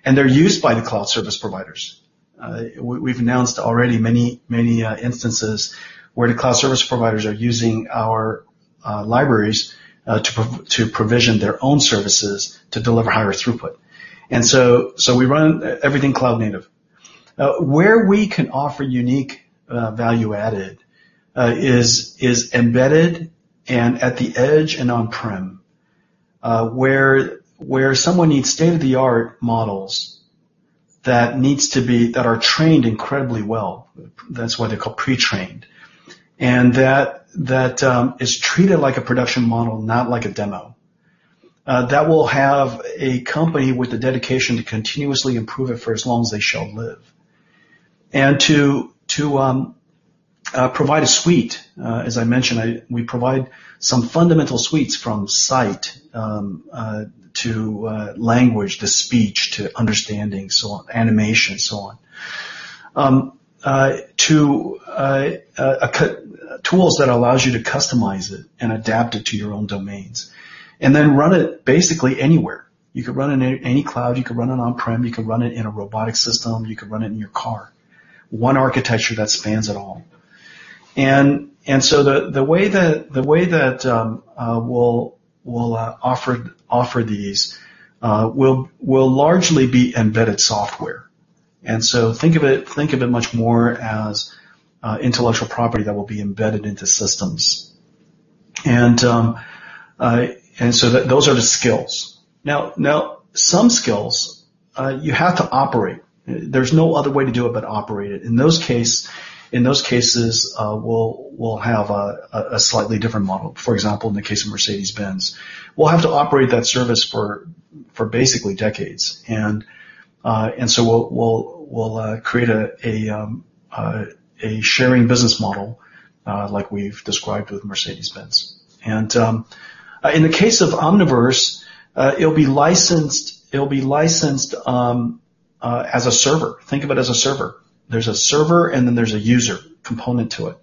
They're used by the cloud service providers. We've announced already many instances where the cloud service providers are using our libraries to provision their own services to deliver higher throughput. We run everything cloud native. Where we can offer unique value added is embedded and at the edge and on-prem, where someone needs state-of-the-art models that are trained incredibly well. That's why they're called pre-trained. That is treated like a production model, not like a demo. That will have a company with the dedication to continuously improve it for as long as they shall live and to provide a suite. As I mentioned, we provide some fundamental suites from sight to language, to speech, to understanding, so on, animation, so on, to tools that allows you to customize it and adapt it to your own domains. Run it basically anywhere. You could run it in any cloud. You could run it on-prem, you could run it in a robotic system, you could run it in your car. One architecture that spans it all. The way that we'll offer these will largely be embedded software. Think of it much more as intellectual property that will be embedded into systems. Those are the skills. Now, some skills you have to operate. There's no other way to do it but operate it. In those cases, we'll have a slightly different model. For example, in the case of Mercedes-Benz, we'll have to operate that service for basically decades. We'll create a sharing business model, like we've described with Mercedes-Benz. In the case of Omniverse, it'll be licensed as a server. Think of it as a server. There's a server, and then there's a user component to it.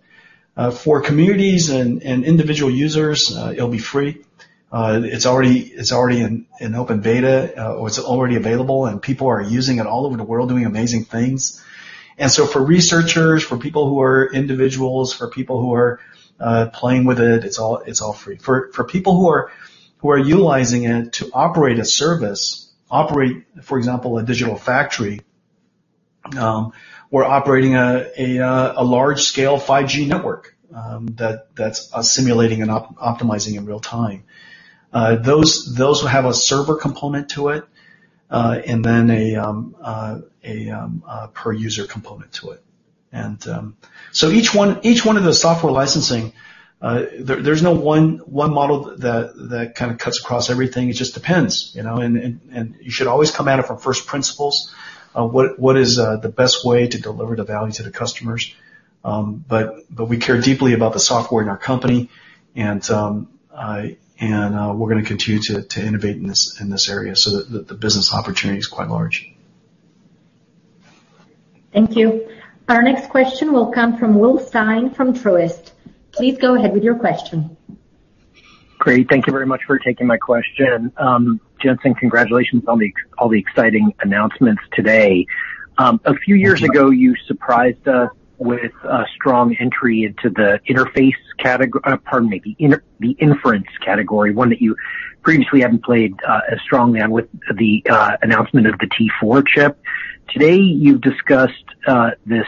For communities and individual users, it'll be free. It's already in open beta. It's already available, and people are using it all over the world, doing amazing things. For researchers, for people who are individuals, for people who are playing with it's all free. For people who are utilizing it to operate a service, operate, for example, a digital factory, or operating a large-scale 5G network that's simulating and optimizing in real time, those will have a server component to it, and then a per-user component to it. Each one of the software licensing, there's no one model that cuts across everything. It just depends. You should always come at it from first principles of what is the best way to deliver the value to the customers. We care deeply about the software in our company, and we're going to continue to innovate in this area so that the business opportunity is quite large. Thank you. Our next question will come from William Stein from Truist. Please go ahead with your question. Great. Thank you very much for taking my question. Jensen, congratulations on all the exciting announcements today. A few years ago, you surprised us with a strong entry into the inference category, one that you previously haven't played, strongly on with the announcement of the T4 chip. Today, you've discussed this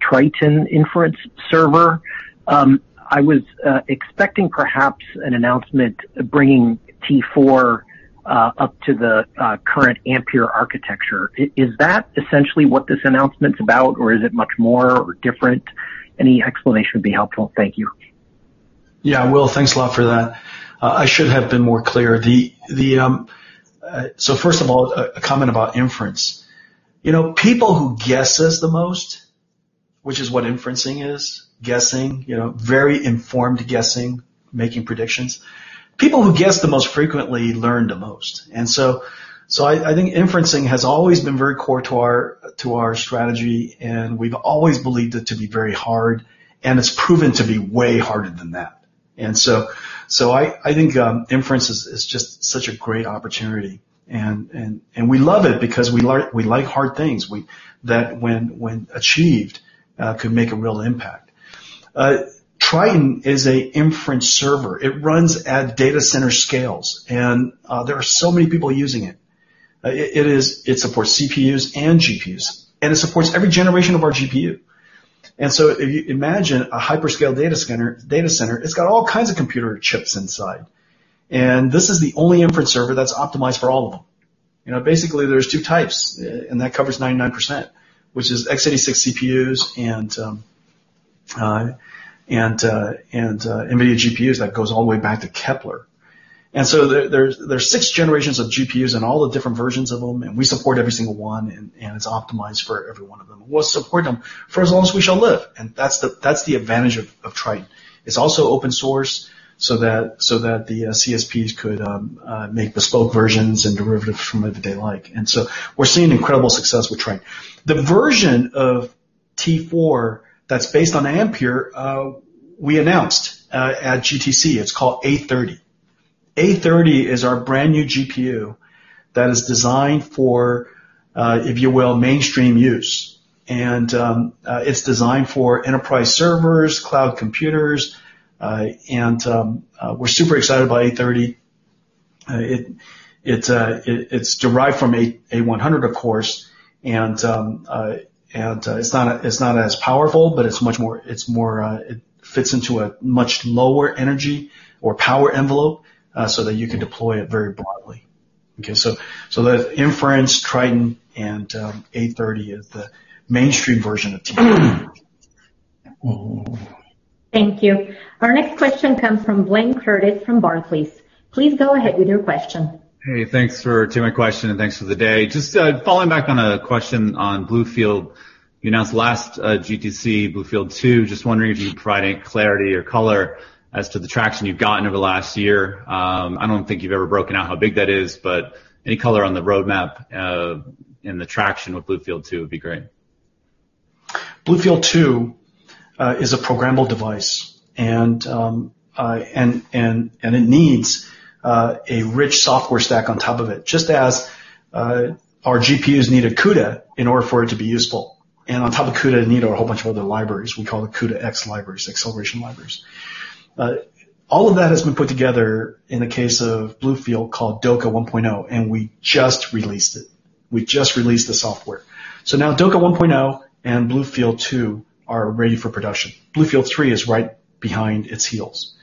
Triton Inference Server. I was expecting perhaps an announcement bringing T4 up to the current Ampere architecture. Is that essentially what this announcement's about, or is it much more different? Any explanation would be helpful. Thank you. William Stein, thanks a lot for that. I should have been more clear. First of all, a comment about inference. People who guesses the most, which is what inferencing is, guessing, very informed guessing, making predictions. People who guess the most frequently learn the most. I think inferencing has always been very core to our strategy, and we've always believed it to be very hard, and it's proven to be way harder than that. I think inference is just such a great opportunity, and we love it because we like hard things, that when achieved, could make a real impact. Triton is a inference server. It runs at data center scales. There are so many people using it. It supports CPUs and GPUs, and it supports every generation of our GPU. If you imagine a hyperscale data center, it's got all kinds of computer chips inside. This is the only inference server that's optimized for all of them. Basically, there's two types, and that covers 99%, which is x86 CPUs and NVIDIA GPUs. That goes all the way back to Kepler. There's six generations of GPUs and all the different versions of them, and we support every single one, and it's optimized for every one of them. We'll support them for as long as we shall live. That's the advantage of Triton. It's also open source so that the CSPs could make bespoke versions and derivatives from it if they like. We're seeing incredible success with Triton. The version of T4 that's based on Ampere, we announced at GTC, it's called A30. A30 is our brand new GPU that is designed for, if you will, mainstream use. It's designed for enterprise servers, cloud computers. We're super excited about A30. It's derived from A100, of course, and it's not as powerful, but it fits into a much lower energy or power envelope, so that you can deploy it very broadly. The inference Triton and A30 is the mainstream version of T4. Thank you. Our next question comes from Blayne Curtis from Barclays. Please go ahead with your question. Hey, thanks for taking my question, and thanks for the day. Just following back on a question on BlueField. You announced last GTC NVIDIA BlueField-2, just wondering if you could provide any clarity or color as to the traction you've gotten over the last year. I don't think you've ever broken out how big that is, but any color on the roadmap, and the traction with NVIDIA BlueField-2 would be great. NVIDIA BlueField-2 is a programmable device, and it needs a rich software stack on top of it, just as our GPUs need a CUDA in order for it to be useful. On top of CUDA, need a whole bunch of other libraries. We call it CUDA-X libraries, acceleration libraries. All of that has been put together in the case of BlueField called DOCA 1.0, and we just released it. We just released the software. Now DOCA 1.0 and NVIDIA BlueField-2 are ready for production. BlueField-3 is right behind its heels.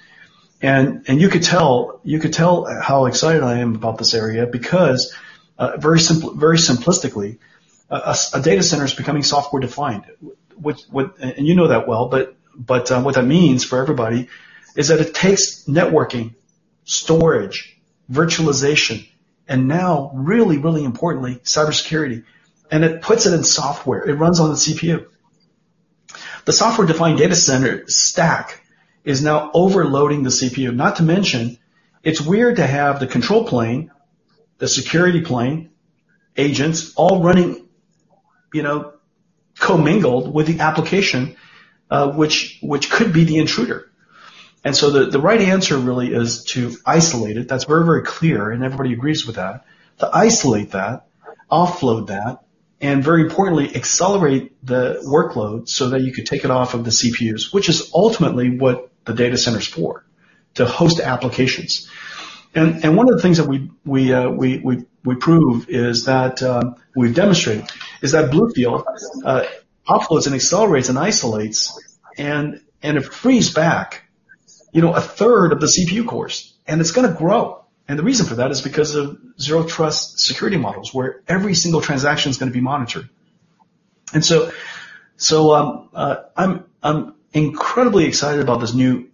You could tell how excited I am about this area because very simplistically, a data center is becoming software defined. You know that well, but what that means for everybody is that it takes networking, storage, virtualization, and now really, really importantly, cybersecurity, and it puts it in software. It runs on the CPU. The software-defined data center stack is now overloading the CPU. Not to mention, it's weird to have the control plane, the security plane, agents all running commingled with the application, which could be the intruder. The right answer really is to isolate it. That's very, very clear, and everybody agrees with that. To isolate that, offload that, and very importantly, accelerate the workload so that you could take it off of the CPUs, which is ultimately what the data center's for, to host applications. One of the things that we prove is that, we've demonstrated is that BlueField offloads and accelerates and isolates, and it frees back a third of the CPU cores, and it's going to grow. The reason for that is because of zero trust security models where every single transaction is going to be monitored. I'm incredibly excited about this new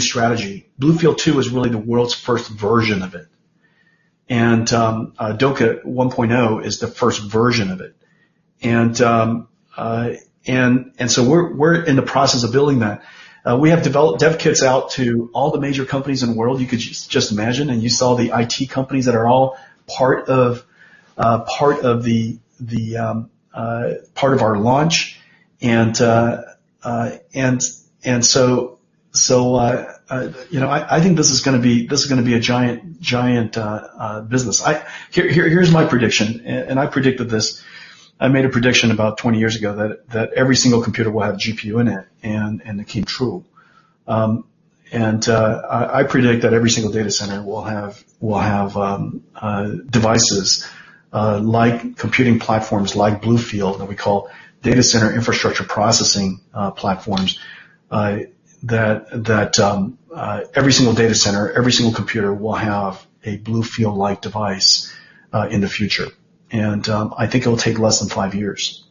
strategy. NVIDIA BlueField-2 is really the world's first version of it. DOCA 1.0 is the first version of it. We're in the process of building that. We have developed dev kits out to all the major companies in the world you could just imagine, and you saw the IT companies that are all part of our launch. I think this is going to be a giant business. Here's my prediction, and I predicted this. I made a prediction about 20 years ago that every single computer will have a GPU in it, and it came true. I predict that every single data center will have devices like computing platforms like BlueField, that we call data center infrastructure processing platforms, that every single data center, every single computer will have a BlueField-like device in the future. I think it'll take less than five years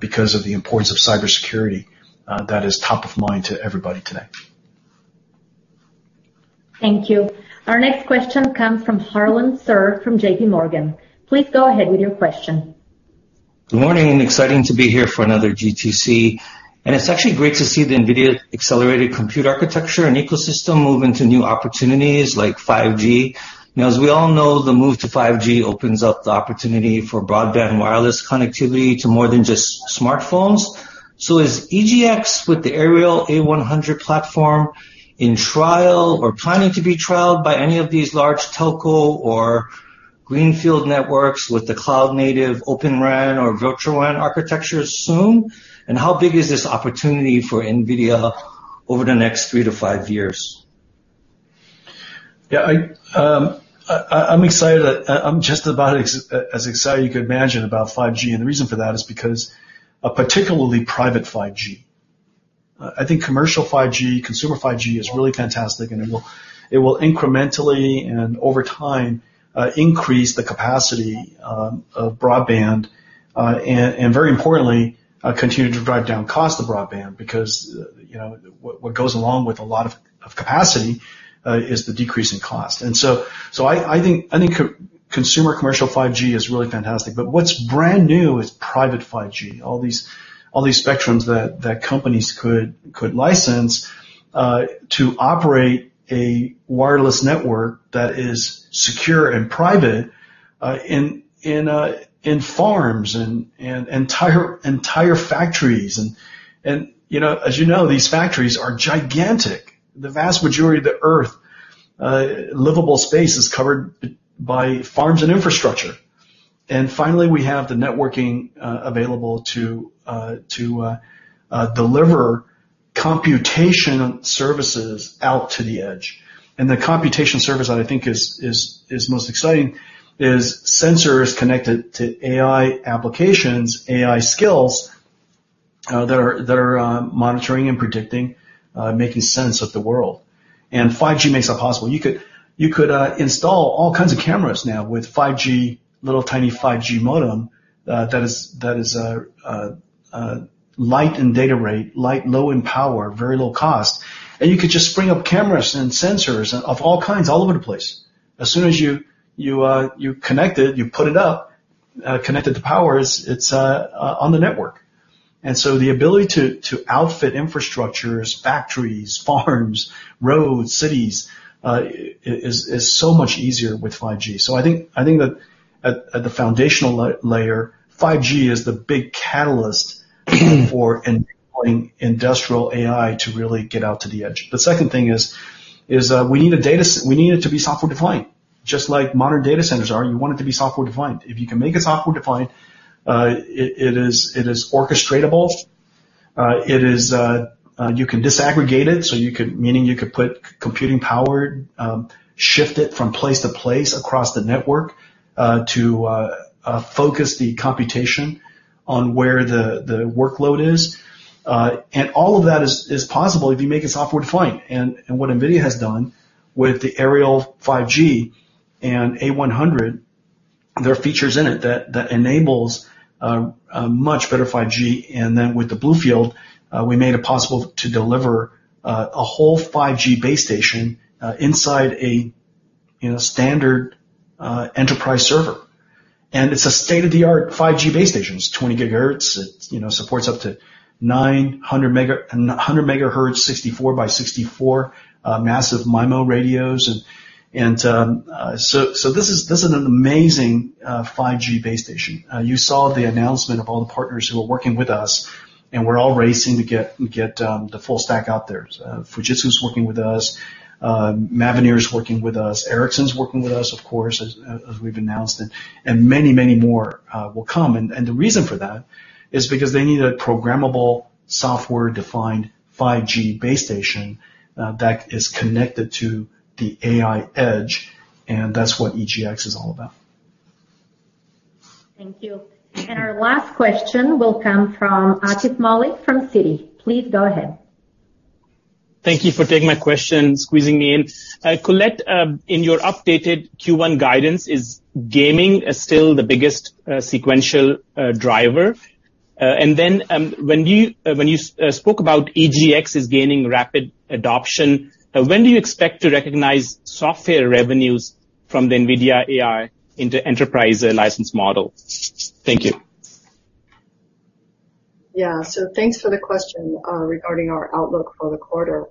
because of the importance of cybersecurity that is top of mind to everybody today. Thank you. Our next question comes from Harlan Sur from J.P.Morgan. Please go ahead with your question. Good morning, exciting to be here for another GTC. It's actually great to see the NVIDIA accelerated compute architecture and ecosystem move into new opportunities like 5G. Now, as we all know, the move to 5G opens up the opportunity for broadband wireless connectivity to more than just smartphones. Is EGX with the Aerial A100 platform in trial or planning to be trialed by any of these large telco or greenfield networks with the cloud native Open RAN or Virtual RAN architecture soon? How big is this opportunity for NVIDIA over the next three to five years? Yeah. I'm just about as excited as you could imagine about 5G. The reason for that is because of particularly private 5G. I think commercial 5G, consumer 5G is really fantastic and it will incrementally and over time increase the capacity of broadband, and very importantly, continue to drive down cost of broadband because what goes along with a lot of capacity is the decrease in cost. I think consumer commercial 5G is really fantastic. What's brand new is private 5G. All these spectrums that companies could license to operate a wireless network that is secure and private in farms and entire factories. As you know, these factories are gigantic. The vast majority of the Earth livable space is covered by farms and infrastructure. Finally, we have the networking available to deliver computation services out to the edge. The computation service that I think is most exciting is sensors connected to AI applications, AI skills that are monitoring and predicting, making sense of the world. 5G makes that possible. You could install all kinds of cameras now with 5G, little tiny 5G modem that is light in data rate, low in power, very low cost. You could just spring up cameras and sensors of all kinds all over the place. As soon as you connect it, you put it up, connect it to power, it's on the network. The ability to outfit infrastructures, factories, farms, roads, cities is so much easier with 5G. I think that at the foundational layer, 5G is the big catalyst for employing industrial AI to really get out to the edge. The second thing is we need it to be software defined. Just like modern data centers are, you want it to be software defined. If you can make it software defined, it is orchestrateable. You can disaggregate it, meaning you could put computing power, shift it from place to place across the network to focus the computation on where the workload is. All of that is possible if you make it software defined. What NVIDIA has done with the Aerial 5G and A100, there are features in it that enables a much better 5G. Then with the BlueField, we made it possible to deliver a whole 5G base station inside a standard enterprise server. It's a state-of-the-art 5G base station. It's 20 gigahertz. It supports up to 900 megahertz, 64 by 64 massive MIMO radios. This is an amazing 5G base station. You saw the announcement of all the partners who are working with us, and we're all racing to get the full stack out there. Fujitsu's working with us. Mavenir is working with us. Ericsson's working with us, of course, as we've announced, and many, many more will come. The reason for that is because they need a programmable software-defined 5G base station that is connected to the AI edge, and that's what EGX is all about. Thank you. Our last question will come from Atif Malik from Citi. Please go ahead. Thank you for taking my question, squeezing me in. Colette, in your updated Q1 guidance, is gaming still the biggest sequential driver? When you spoke about EGX is gaining rapid adoption, when do you expect to recognize software revenues? From the NVIDIA AI Enterprise license model. Thank you. Thanks for the question regarding our outlook for the quarter.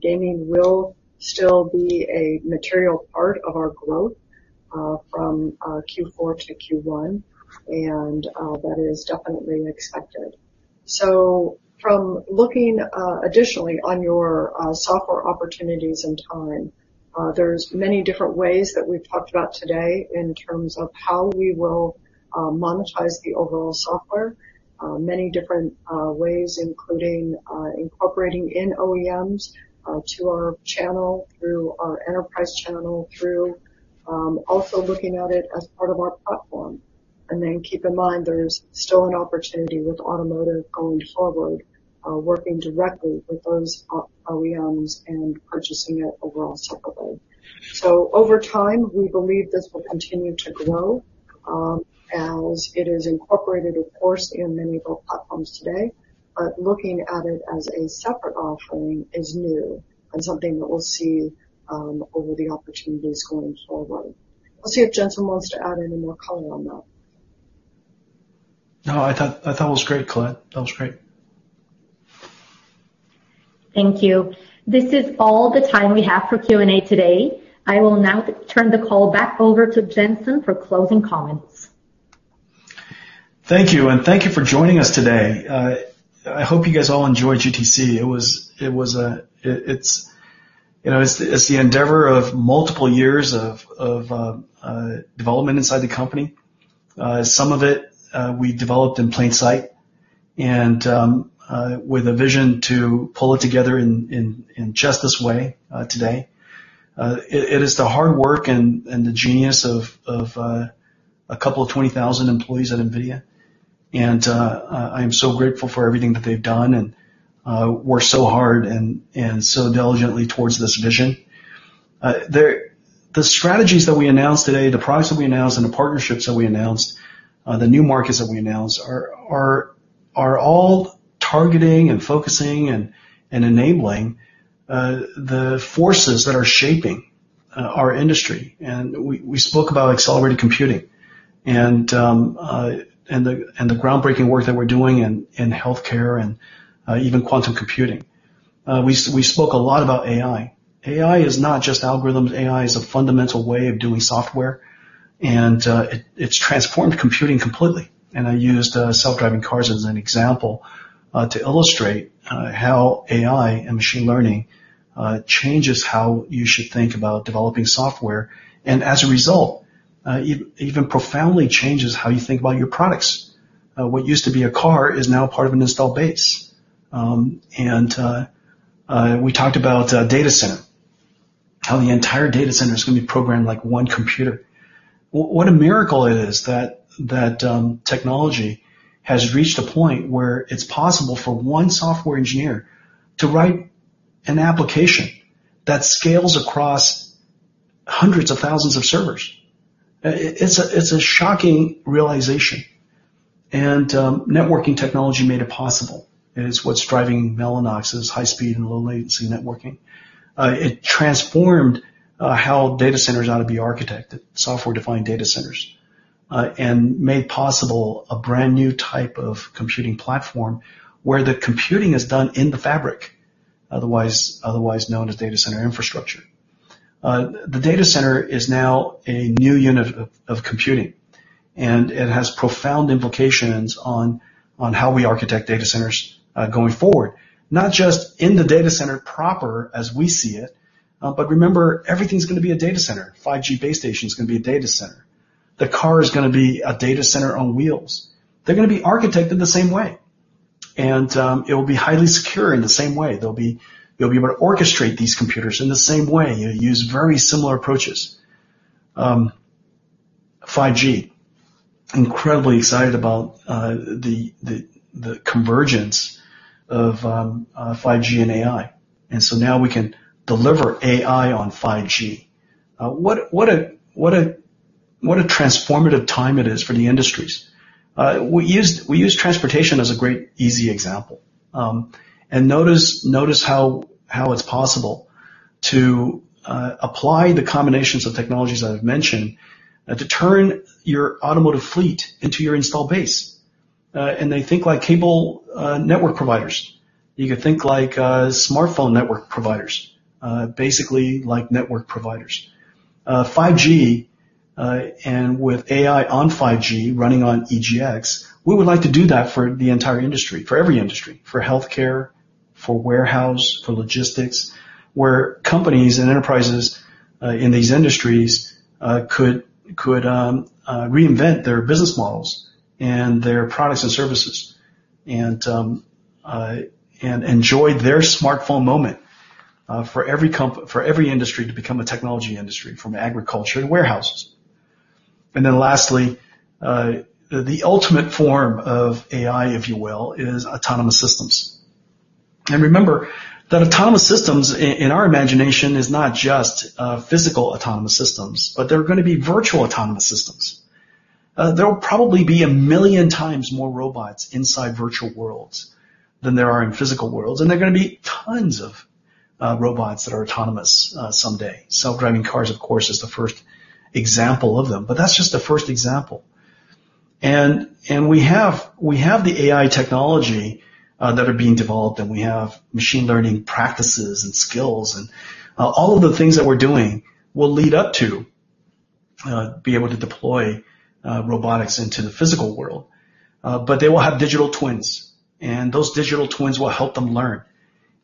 Gaming will still be a material part of our growth from Q4 to Q1, that is definitely expected. From looking additionally on your software opportunities and timing, there's many different ways that we've talked about today in terms of how we will monetize the overall software. Many different ways, including incorporating in OEMs to our channel, through our enterprise channel, through also looking at it as part of our platform. Keep in mind, there's still an opportunity with automotive going forward working directly with those OEMs and purchasing it overall separately. Over time, we believe this will continue to grow as it is incorporated, of course, in many built platforms today. Looking at it as a separate offering is new and something that we'll see over the opportunities going forward. We'll see if Jensen wants to add any more color on that. No, I thought that was great, Colette. That was great. Thank you. This is all the time we have for Q&A today. I will now turn the call back over to Jensen for closing comments. Thank you, and thank you for joining us today. I hope you guys all enjoyed GTC. It's the endeavor of multiple years of development inside the company. Some of it we developed in plain sight, with a vision to pull it together in just this way today. It is the hard work and the genius of a couple of 20,000 employees at NVIDIA. I am so grateful for everything that they've done, and worked so hard and so diligently towards this vision. The strategies that we announced today, the products that we announced, and the partnerships that we announced, the new markets that we announced are all targeting and focusing and enabling the forces that are shaping our industry. We spoke about accelerated computing and the groundbreaking work that we're doing in healthcare and even quantum computing. We spoke a lot about AI. AI is not just algorithms. AI is a fundamental way of doing software, it's transformed computing completely. I used self-driving cars as an example to illustrate how AI and machine learning changes how you should think about developing software, as a result, even profoundly changes how you think about your products. What used to be a car is now part of an installed base. We talked about data center, how the entire data center is going to be programmed like one computer. What a miracle it is that technology has reached a point where it's possible for one software engineer to write an application that scales across hundreds of thousands of servers. It's a shocking realization, networking technology made it possible. It is what's driving Mellanox's high speed and low latency networking. It transformed how data centers ought to be architected, software-defined data centers and made possible a brand new type of computing platform where the computing is done in the fabric, otherwise known as data center infrastructure. The data center is now a new unit of computing, and it has profound implications on how we architect data centers going forward. Not just in the data center proper as we see it, but remember, everything's going to be a data center. 5G base station's going to be a data center. The car is going to be a data center on wheels. They're going to be architected the same way. It will be highly secure in the same way. They'll be able to orchestrate these computers in the same way, use very similar approaches. 5G. Incredibly excited about the convergence of 5G and AI. Now we can deliver AI on 5G. What a transformative time it is for the industries. We use transportation as a great, easy example. Notice how it's possible to apply the combinations of technologies that I've mentioned to turn your automotive fleet into your installed base. Think like cable network providers. You can think like smartphone network providers. Basically, like network providers. 5G, and with AI on 5G running on EGX, we would like to do that for the entire industry, for every industry. For healthcare, for warehouse, for logistics, where companies and enterprises in these industries could reinvent their business models and their products and services and enjoy their smartphone moment for every industry to become a technology industry, from agriculture to warehouses. Lastly, the ultimate form of AI, if you will, is autonomous systems. Remember that autonomous systems in our imagination is not just physical autonomous systems, but there are going to be virtual autonomous systems. There will probably be 1 million times more robots inside virtual worlds than there are in physical worlds, and there are going to be tons of robots that are autonomous someday. Self-driving cars, of course, is the first example of them. That's just the first example. We have the AI technology that are being developed, and we have machine learning practices and skills, and all of the things that we're doing will lead up to be able to deploy robotics into the physical world. They will have digital twins, and those digital twins will help them learn.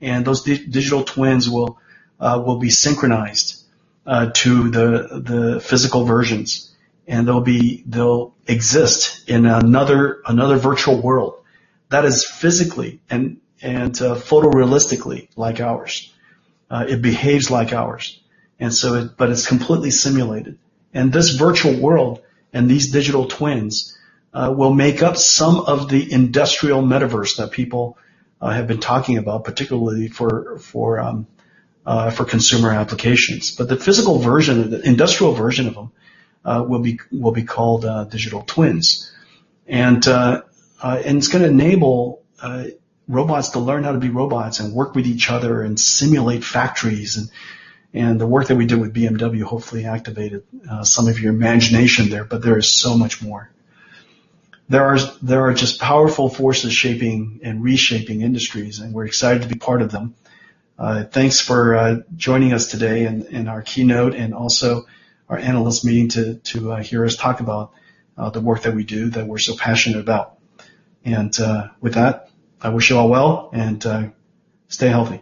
Those digital twins will be synchronized to the physical versions, and they'll exist in another virtual world that is physically and photorealistically like ours. It behaves like ours. It's completely simulated. This virtual world and these digital twins will make up some of the industrial metaverse that people have been talking about, particularly for consumer applications. The physical version, the industrial version of them will be called digital twins. It's going to enable robots to learn how to be robots and work with each other and simulate factories, and the work that we did with BMW hopefully activated some of your imagination there, but there is so much more. There are just powerful forces shaping and reshaping industries, and we're excited to be part of them. Thanks for joining us today in our keynote and also our analyst meeting to hear us talk about the work that we do that we're so passionate about. With that, I wish you all well, and stay healthy.